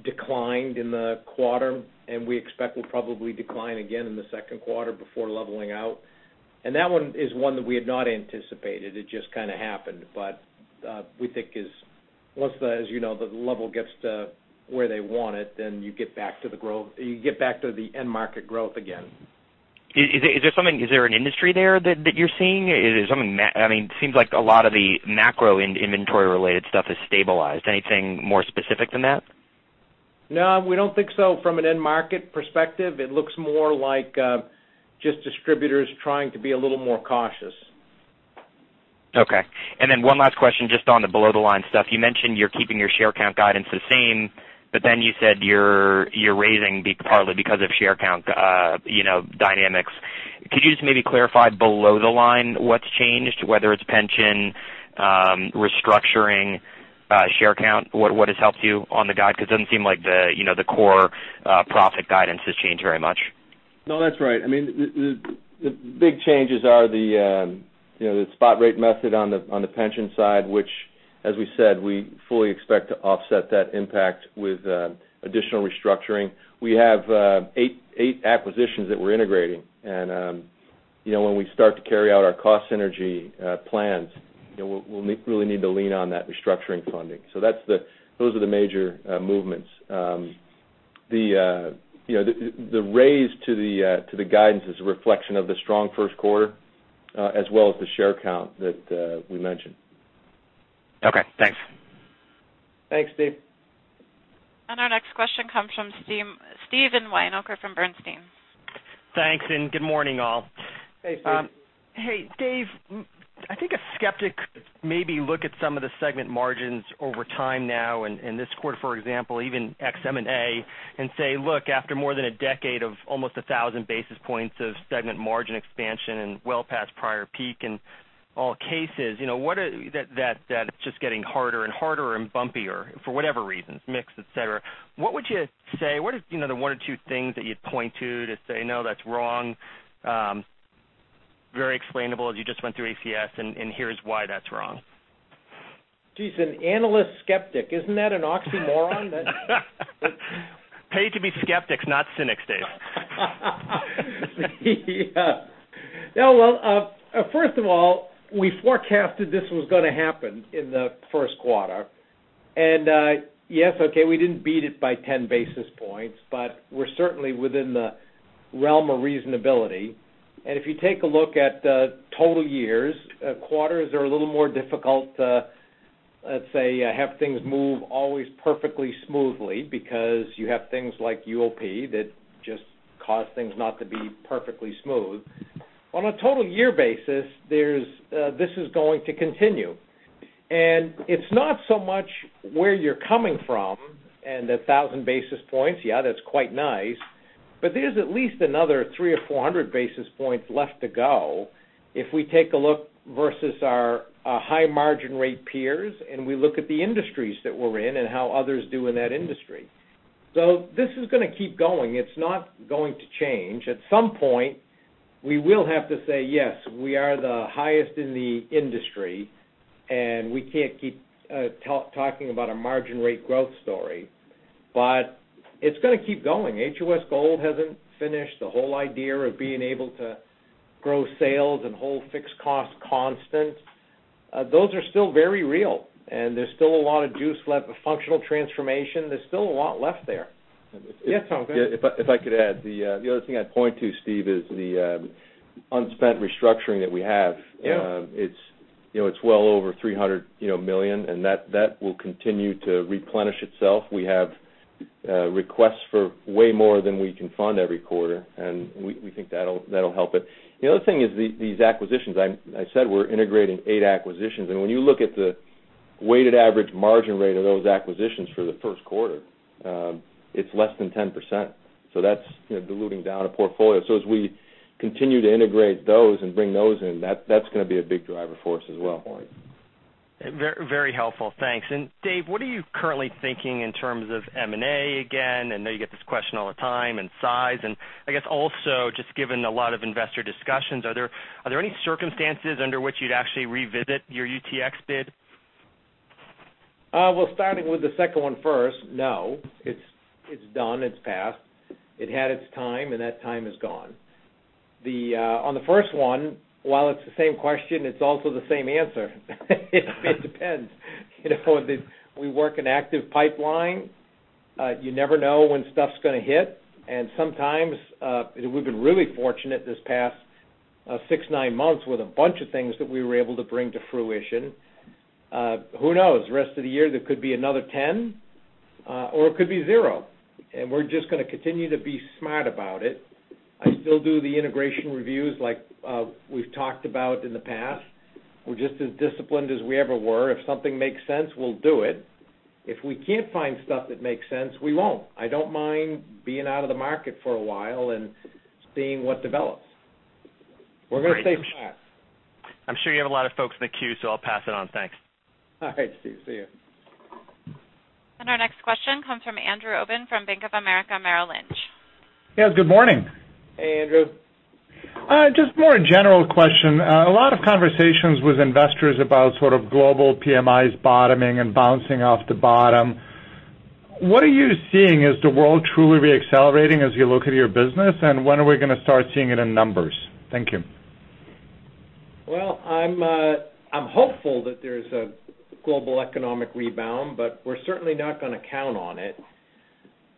declined in the quarter, and we expect will probably decline again in the second quarter before leveling out. That one is one that we had not anticipated. It just kind of happened. We think as the level gets to where they want it, then you get back to the end market growth again. Is there an industry there that you're seeing? It seems like a lot of the macro inventory-related stuff has stabilized. Anything more specific than that? No, we don't think so from an end market perspective. It looks more like just distributors trying to be a little more cautious. Okay. One last question, just on the below-the-line stuff. You mentioned you're keeping your share count guidance the same, but then you said you're raising partly because of share count dynamics. Could you just maybe clarify below the line what's changed, whether it's pension, restructuring, share count? What has helped you on the guide? Because it doesn't seem like the core profit guidance has changed very much. No, that's right. The big changes are the spot rate method on the pension side, which as we said, we fully expect to offset that impact with additional restructuring. We have eight acquisitions that we're integrating. When we start to carry out our cost synergy plans, we'll really need to lean on that restructuring funding. Those are the major movements. The raise to the guidance is a reflection of the strong first quarter, as well as the share count that we mentioned. Okay, thanks. Thanks, Steve. Our next question comes from Steven Winoker from Bernstein. Thanks, and good morning, all. Hey, Steve. Hey, Dave. I think a skeptic maybe look at some of the segment margins over time now in this quarter, for example, even ex M&A, and say, look, after more than a decade of almost 1,000 basis points of segment margin expansion and well past prior peak in all cases, that it's just getting harder and harder and bumpier for whatever reasons, mix, et cetera. What would you say? What are the one or two things that you'd point to say, "No, that's wrong. Very explainable, as you just went through ACS, and here's why that's wrong"? Jeez, an analyst skeptic. Isn't that an oxymoron? Paid to be skeptics, not cynics, Dave. Yeah. Now, well, first of all, we forecasted this was going to happen in the first quarter. Yes, okay, we didn't beat it by 10 basis points, but we're certainly within the realm of reasonability. If you take a look at the total years, quarters are a little more difficult to, let's say, have things move always perfectly smoothly because you have things like Honeywell UOP that just cause things not to be perfectly smooth. On a total year basis, this is going to continue. It's not so much where you're coming from and 1,000 basis points, yeah, that's quite nice, but there's at least another 300 or 400 basis points left to go if we take a look versus our high margin rate peers, and we look at the industries that we're in and how others do in that industry. This is going to keep going. It's not going to change. At some point, we will have to say, yes, we are the highest in the industry, and we can't keep talking about a margin rate growth story. It's going to keep going. HOS Gold hasn't finished. The whole idea of being able to grow sales and hold fixed costs constant, those are still very real, and there's still a lot of juice left. The functional transformation, there's still a lot left there. Yeah, Tom. If I could add, the other thing I'd point to, Steve, is the unspent restructuring that we have. Yeah. It's well over $300 million, that will continue to replenish itself. We have requests for way more than we can fund every quarter, and we think that'll help it. The other thing is these acquisitions. I said we're integrating eight acquisitions, when you look at the weighted average margin rate of those acquisitions for the first quarter, it's less than 10%. That's diluting down a portfolio. As we continue to integrate those and bring those in, that's going to be a big driver for us as well. Right. Very helpful. Thanks. Dave, what are you currently thinking in terms of M&A again? I know you get this question all the time, and size, I guess also just given a lot of investor discussions, are there any circumstances under which you'd actually revisit your UTX bid? Starting with the second one first, no. It's done. It's passed. It had its time, that time is gone. On the first one, while it's the same question, it's also the same answer. It depends. We work an active pipeline. You never know when stuff's going to hit. Sometimes, we've been really fortunate this past six, nine months with a bunch of things that we were able to bring to fruition. Who knows? The rest of the year, there could be another 10, or it could be zero. We're just going to continue to be smart about it. I still do the integration reviews like we've talked about in the past. We're just as disciplined as we ever were. If something makes sense, we'll do it. If we can't find stuff that makes sense, we won't. I don't mind being out of the market for a while and seeing what develops. We're going to stay flat. I'm sure you have a lot of folks in the queue, I'll pass it on. Thanks. All right, Steve. See you. Our next question comes from Andrew Obin from Bank of America Merrill Lynch. Yeah, good morning. Hey, Andrew. Just more a general question. A lot of conversations with investors about sort of global PMIs bottoming and bouncing off the bottom. What are you seeing? Is the world truly re-accelerating as you look at your business, and when are we going to start seeing it in numbers? Thank you. Well, I'm hopeful that there's a global economic rebound, but we're certainly not going to count on it.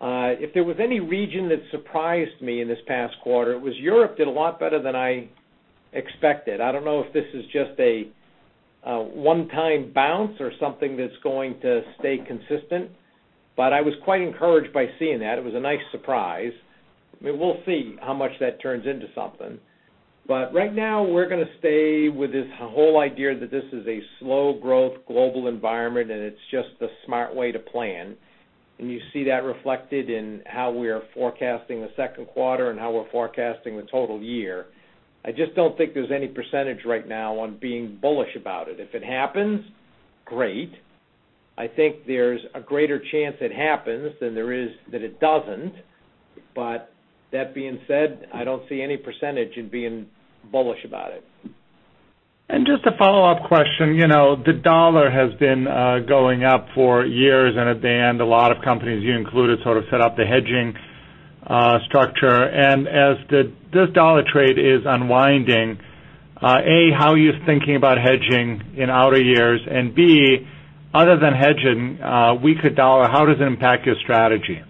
If there was any region that surprised me in this past quarter, it was Europe did a lot better than I expected. I don't know if this is just a one-time bounce or something that's going to stay consistent, I was quite encouraged by seeing that. It was a nice surprise. I mean, we'll see how much that turns into something. Right now, we're going to stay with this whole idea that this is a slow-growth global environment, and it's just the smart way to plan. You see that reflected in how we are forecasting the second quarter and how we're forecasting the total year. I just don't think there's any percentage right now on being bullish about it. If it happens, great. I think there's a greater chance it happens than there is that it doesn't. That being said, I don't see any percentage in being bullish about it. Just a follow-up question. The dollar has been going up for years in a band. A lot of companies, you included, sort of set up the hedging structure. As this dollar trade is unwinding, A, how are you thinking about hedging in outer years? B, other than hedging, weaker dollar, how does it impact your strategy?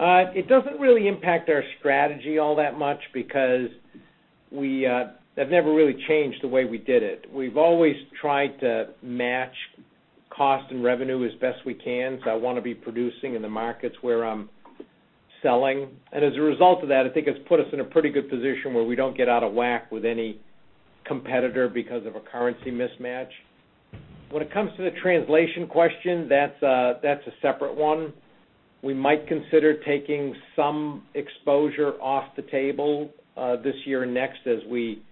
It doesn't really impact our strategy all that much because I've never really changed the way we did it. We've always tried to match cost and revenue as best we can, so I want to be producing in the markets where I'm selling. As a result of that, I think it's put us in a pretty good position where we don't get out of whack with any competitor because of a currency mismatch. When it comes to the translation question, that's a separate one. We might consider taking some exposure off the table this year and next as we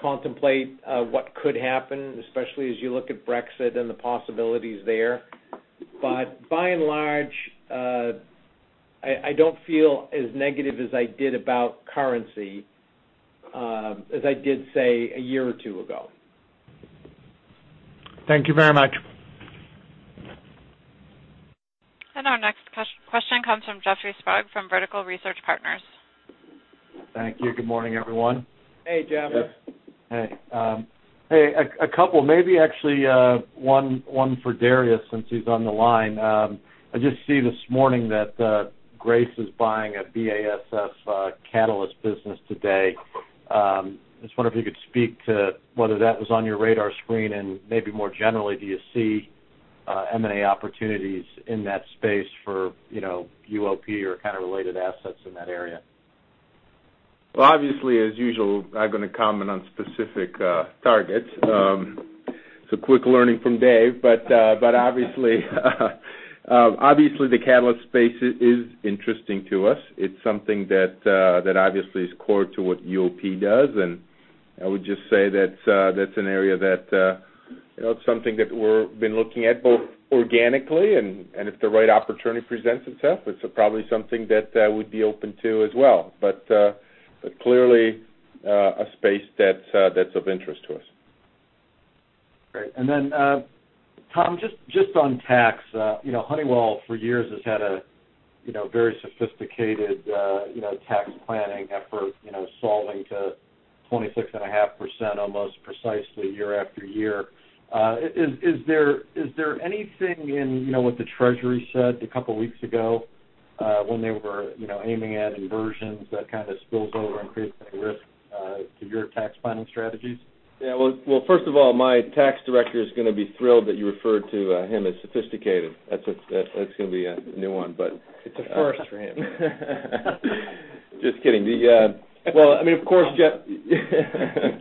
contemplate what could happen, especially as you look at Brexit and the possibilities there. By and large, I don't feel as negative as I did about currency as I did, say, a year or two ago. Thank you very much. Question comes from Jeffrey Sprague from Vertical Research Partners. Thank you. Good morning, everyone. Hey, Jeffrey. Hey. A couple, maybe actually one for Darius, since he's on the line. I just see this morning that Grace is buying a BASF catalyst business today. Just wonder if you could speak to whether that was on your radar screen, and maybe more generally, do you see M&A opportunities in that space for UOP or kind of related assets in that area? Well, obviously, as usual, I'm not going to comment on specific targets. It's a quick learning from Dave. Obviously the catalyst space is interesting to us. It's something that obviously is core to what UOP does, and I would just say that's an area that, it's something that we've been looking at both organically, and if the right opportunity presents itself, it's probably something that we'd be open to as well. Clearly, a space that's of interest to us. Great. Then, Tom, just on tax, Honeywell for years has had a very sophisticated tax planning effort, solving to 26.5% almost precisely year after year. Is there anything in what the Treasury said a couple of weeks ago, when they were aiming at inversions, that kind of spills over and creates any risk to your tax planning strategies? Well, first of all, my tax director is going to be thrilled that you referred to him as sophisticated. That's going to be a new one. It's a first for him. Just kidding. Well, of course, Jeff, of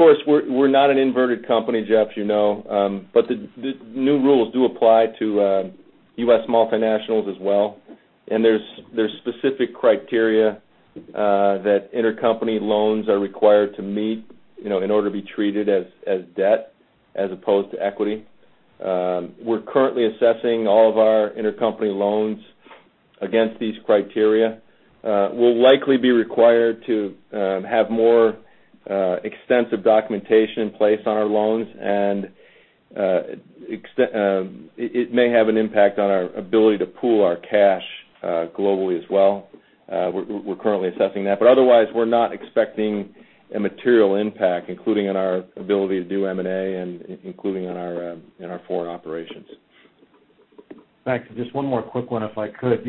course, we're not an inverted company, Jeff, you know. The new rules do apply to U.S. multinationals as well, and there's specific criteria that intercompany loans are required to meet in order to be treated as debt as opposed to equity. We're currently assessing all of our intercompany loans against these criteria. We'll likely be required to have more extensive documentation in place on our loans, and it may have an impact on our ability to pool our cash globally as well. We're currently assessing that, but otherwise, we're not expecting a material impact, including in our ability to do M&A and including in our foreign operations. Thanks. Just one more quick one, if I could.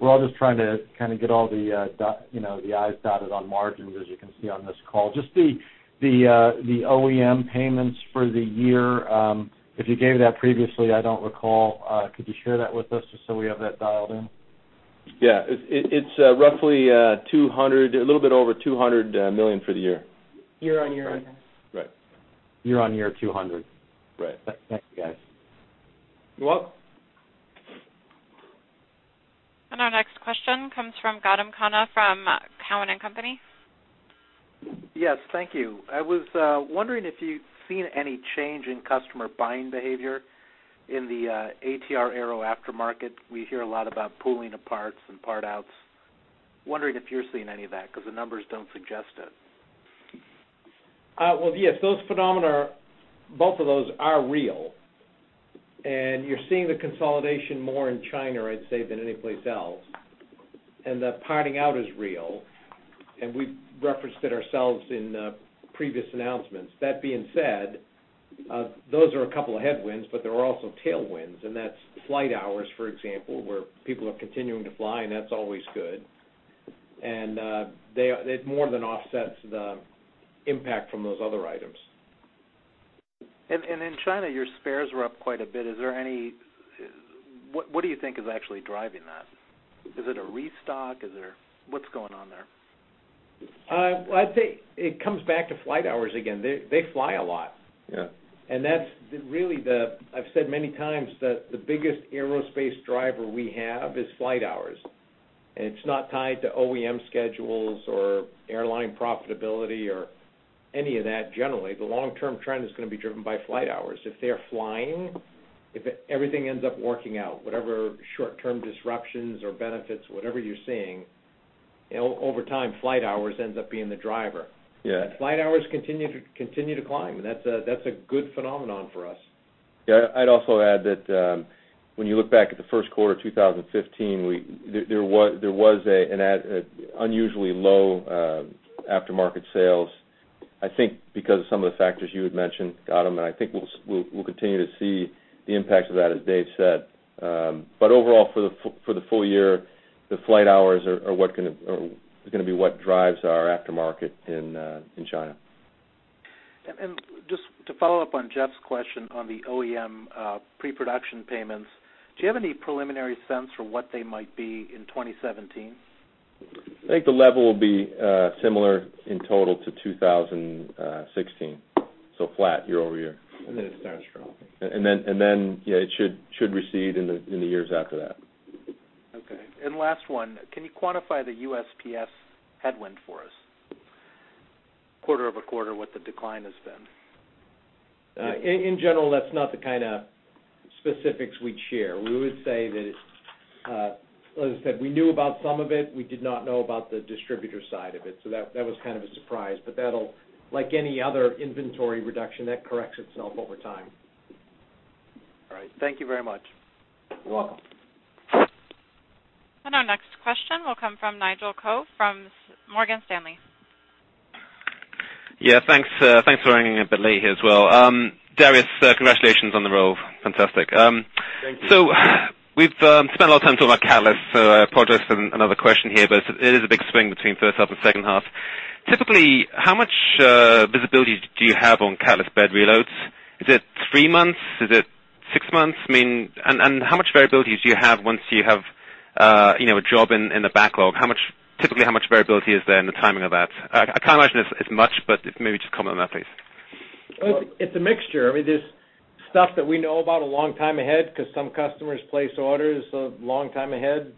We're all just trying to kind of get all the i's dotted on margins, as you can see on this call. Just the OEM payments for the year, if you gave that previously, I don't recall. Could you share that with us, just so we have that dialed in? It's roughly a little bit over $200 million for the year. Year-on-year, I guess. Right. Year-on-year, $200. Right. Thank you, guys. You're welcome. Our next question comes from Gautam Khanna from Cowen and Company. Yes, thank you. I was wondering if you've seen any change in customer buying behavior in the ATR Aero aftermarket. We hear a lot about pooling of parts and part-outs. Wondering if you're seeing any of that, because the numbers don't suggest it. Well, yes, those phenomena, both of those are real. You're seeing the consolidation more in China, I'd say, than anyplace else. The parting out is real, and we've referenced it ourselves in previous announcements. That being said, those are a couple of headwinds, there are also tailwinds, that's flight hours, for example, where people are continuing to fly, and that's always good. It more than offsets the impact from those other items. In China, your spares were up quite a bit. What do you think is actually driving that? Is it a restock? What's going on there? I'd say it comes back to flight hours again. They fly a lot. Yeah. I've said many times that the biggest aerospace driver we have is flight hours. It's not tied to OEM schedules or airline profitability or any of that, generally. The long-term trend is going to be driven by flight hours. If they are flying, if everything ends up working out, whatever short-term disruptions or benefits, whatever you're seeing, over time, flight hours ends up being the driver. Yeah. Flight hours continue to climb, and that's a good phenomenon for us. Yeah. I'd also add that when you look back at the first quarter of 2015, there was an unusually low aftermarket sales, I think because of some of the factors you had mentioned, Gautam, and I think we'll continue to see the impacts of that, as Dave said. But overall, for the full year, the flight hours are going to be what drives our aftermarket in China. Just to follow up on Jeff's question on the OEM pre-production payments, do you have any preliminary sense for what they might be in 2017? I think the level will be similar in total to 2016. So flat year-over-year. Then it starts dropping. Then, yeah, it should recede in the years after that. Okay. Last one, can you quantify the USPS headwind for us? Quarter-over-quarter what the decline has been. In general, that's not the kind of specifics we'd share. We would say that it's As I said, we knew about some of it. We did not know about the distributor side of it. That was kind of a surprise. That'll, like any other inventory reduction, that corrects itself over time. All right. Thank you very much. You're welcome. Our next question will come from Nigel Coe from Morgan Stanley. Yeah. Thanks. Thanks for running a bit late here as well. Darius, congratulations on the role. Fantastic. Thank you. We've spent a lot of time talking about catalysts, so I apologize for another question here, but it is a big swing between first half and second half. Typically, how much visibility do you have on catalyst bed reloads? Is it three months? Is it six months? How much variability do you have once you have a job in the backlog? Typically, how much variability is there in the timing of that? I can't imagine it's much, but if maybe just comment on that, please. It's a mixture. There's stuff that we know about a long time ahead because some customers place orders a long time ahead.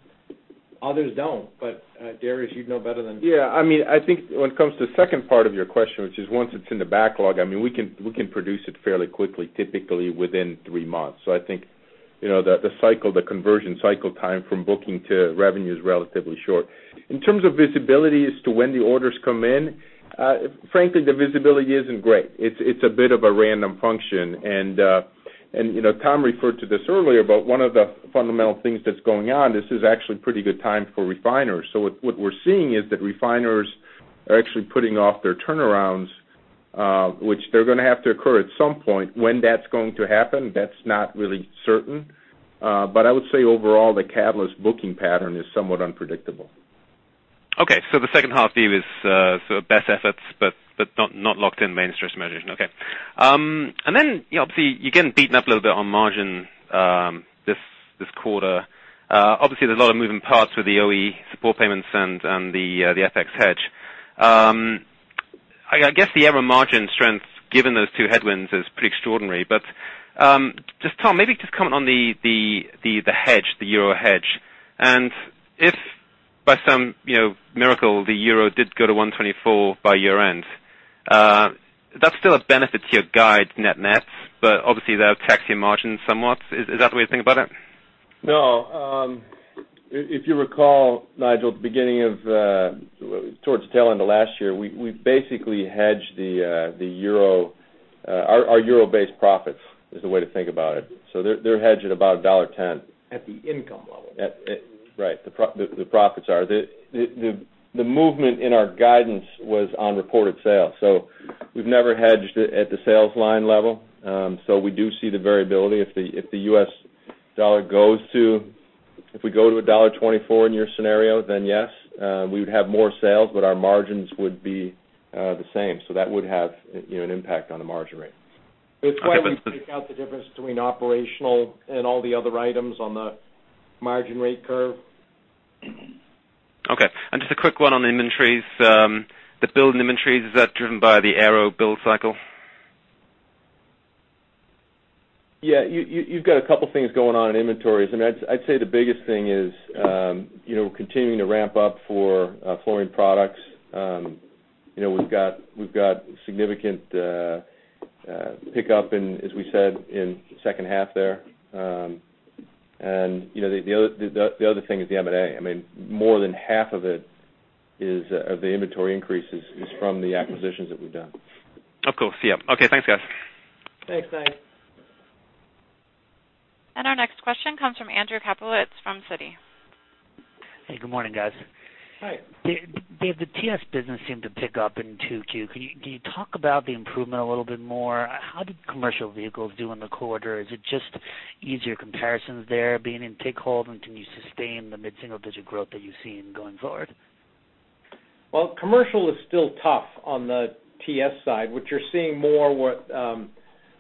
Others don't. Darius, you'd know better than me. Yeah. I think when it comes to the second part of your question, which is once it's in the backlog, we can produce it fairly quickly, typically within three months. I think, the conversion cycle time from booking to revenue is relatively short. In terms of visibility as to when the orders come in, frankly, the visibility isn't great. It's a bit of a random function. Tom referred to this earlier, one of the fundamental things that's going on, this is actually a pretty good time for refiners. What we're seeing is that refiners are actually putting off their turnarounds, which they're going to have to occur at some point. When that's going to happen, that's not really certain. I would say overall, the catalyst booking pattern is somewhat unpredictable. Okay, the second half view is sort of best efforts, not locked in mainstream measures. Okay. Then obviously, you're getting beaten up a little bit on margin this quarter. Obviously, there's a lot of moving parts with the OE support payments and the FX hedge. I guess the Aero margin strength, given those two headwinds, is pretty extraordinary. Just Tom, maybe just comment on the hedge, the euro hedge. If by some miracle, the euro did go to $1.24 by year-end, that's still a benefit to your guide net-net, obviously that would tax your margin somewhat. Is that the way to think about it? No. If you recall, Nigel, towards the tail end of last year, we basically hedged our euro-based profits, is the way to think about it. They're hedged at about $1.10. At the income level. Right, the profits are. The movement in our guidance was on reported sales. We've never hedged at the sales line level. We do see the variability. If the US dollar goes to $1.24 in your scenario, then yes, we would have more sales, but our margins would be the same. That would have an impact on the margin rate. It's why we take out the difference between operational and all the other items on the margin rate curve. Okay. Just a quick one on inventories. The build in inventories, is that driven by the Aero build cycle? Yeah. You've got a couple things going on in inventories. I'd say the biggest thing is continuing to ramp up for fluorine products. We've got significant pickup, as we said, in the second half there. The other thing is the M&A. More than half of the inventory increases is from the acquisitions that we've done. Of course. Yeah. Okay. Thanks, guys. Thanks, guys. Our next question comes from Andrew Kaplowitz from Citi. Hey, good morning, guys. Hi. Dave, the TS business seemed to pick up in Q2. Can you talk about the improvement a little bit more? How did commercial vehicles do in the quarter? Is it just easier comparisons there being in take hold, can you sustain the mid-single digit growth that you've seen going forward? Well, commercial is still tough on the TS side. What you're seeing more were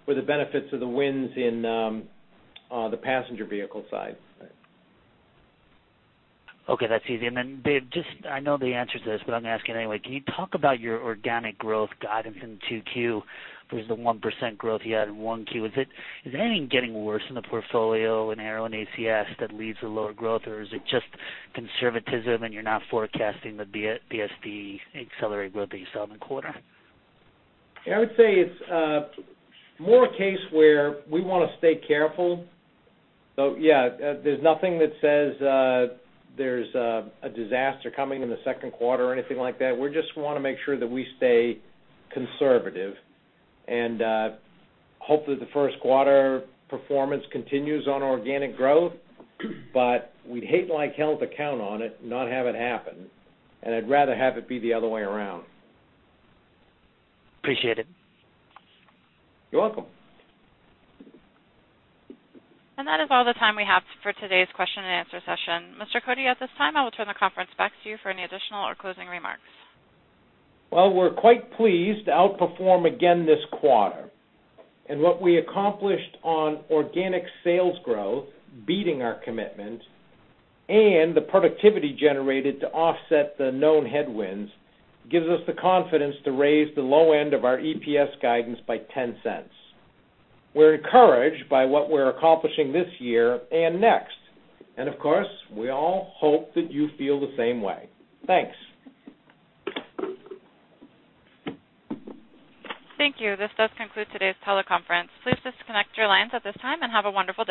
the benefits of the wins in the passenger vehicle side. Okay, that's easy. Then Dave, I know the answer to this, but I'm going to ask you anyway. Can you talk about your organic growth guidance in Q2 versus the 1% growth you had in 1Q? Is anything getting worse in the portfolio in Aero and ACS that leads to lower growth, or is it just conservatism, you're not forecasting the BSD accelerated growth that you saw in the quarter? I would say it's more a case where we want to stay careful. Yeah, there's nothing that says there's a disaster coming in the second quarter or anything like that. We just want to make sure that we stay conservative and hope that the first quarter performance continues on organic growth. We'd hate like hell to count on it and not have it happen. I'd rather have it be the other way around. Appreciate it. You're welcome. That is all the time we have for today's question and answer session. Mr. Cote, at this time, I will turn the conference back to you for any additional or closing remarks. We're quite pleased to outperform again this quarter. What we accomplished on organic sales growth, beating our commitment, and the productivity generated to offset the known headwinds, gives us the confidence to raise the low end of our EPS guidance by $0.10. We're encouraged by what we're accomplishing this year and next. Of course, we all hope that you feel the same way. Thanks. Thank you. This does conclude today's teleconference. Please disconnect your lines at this time, and have a wonderful day.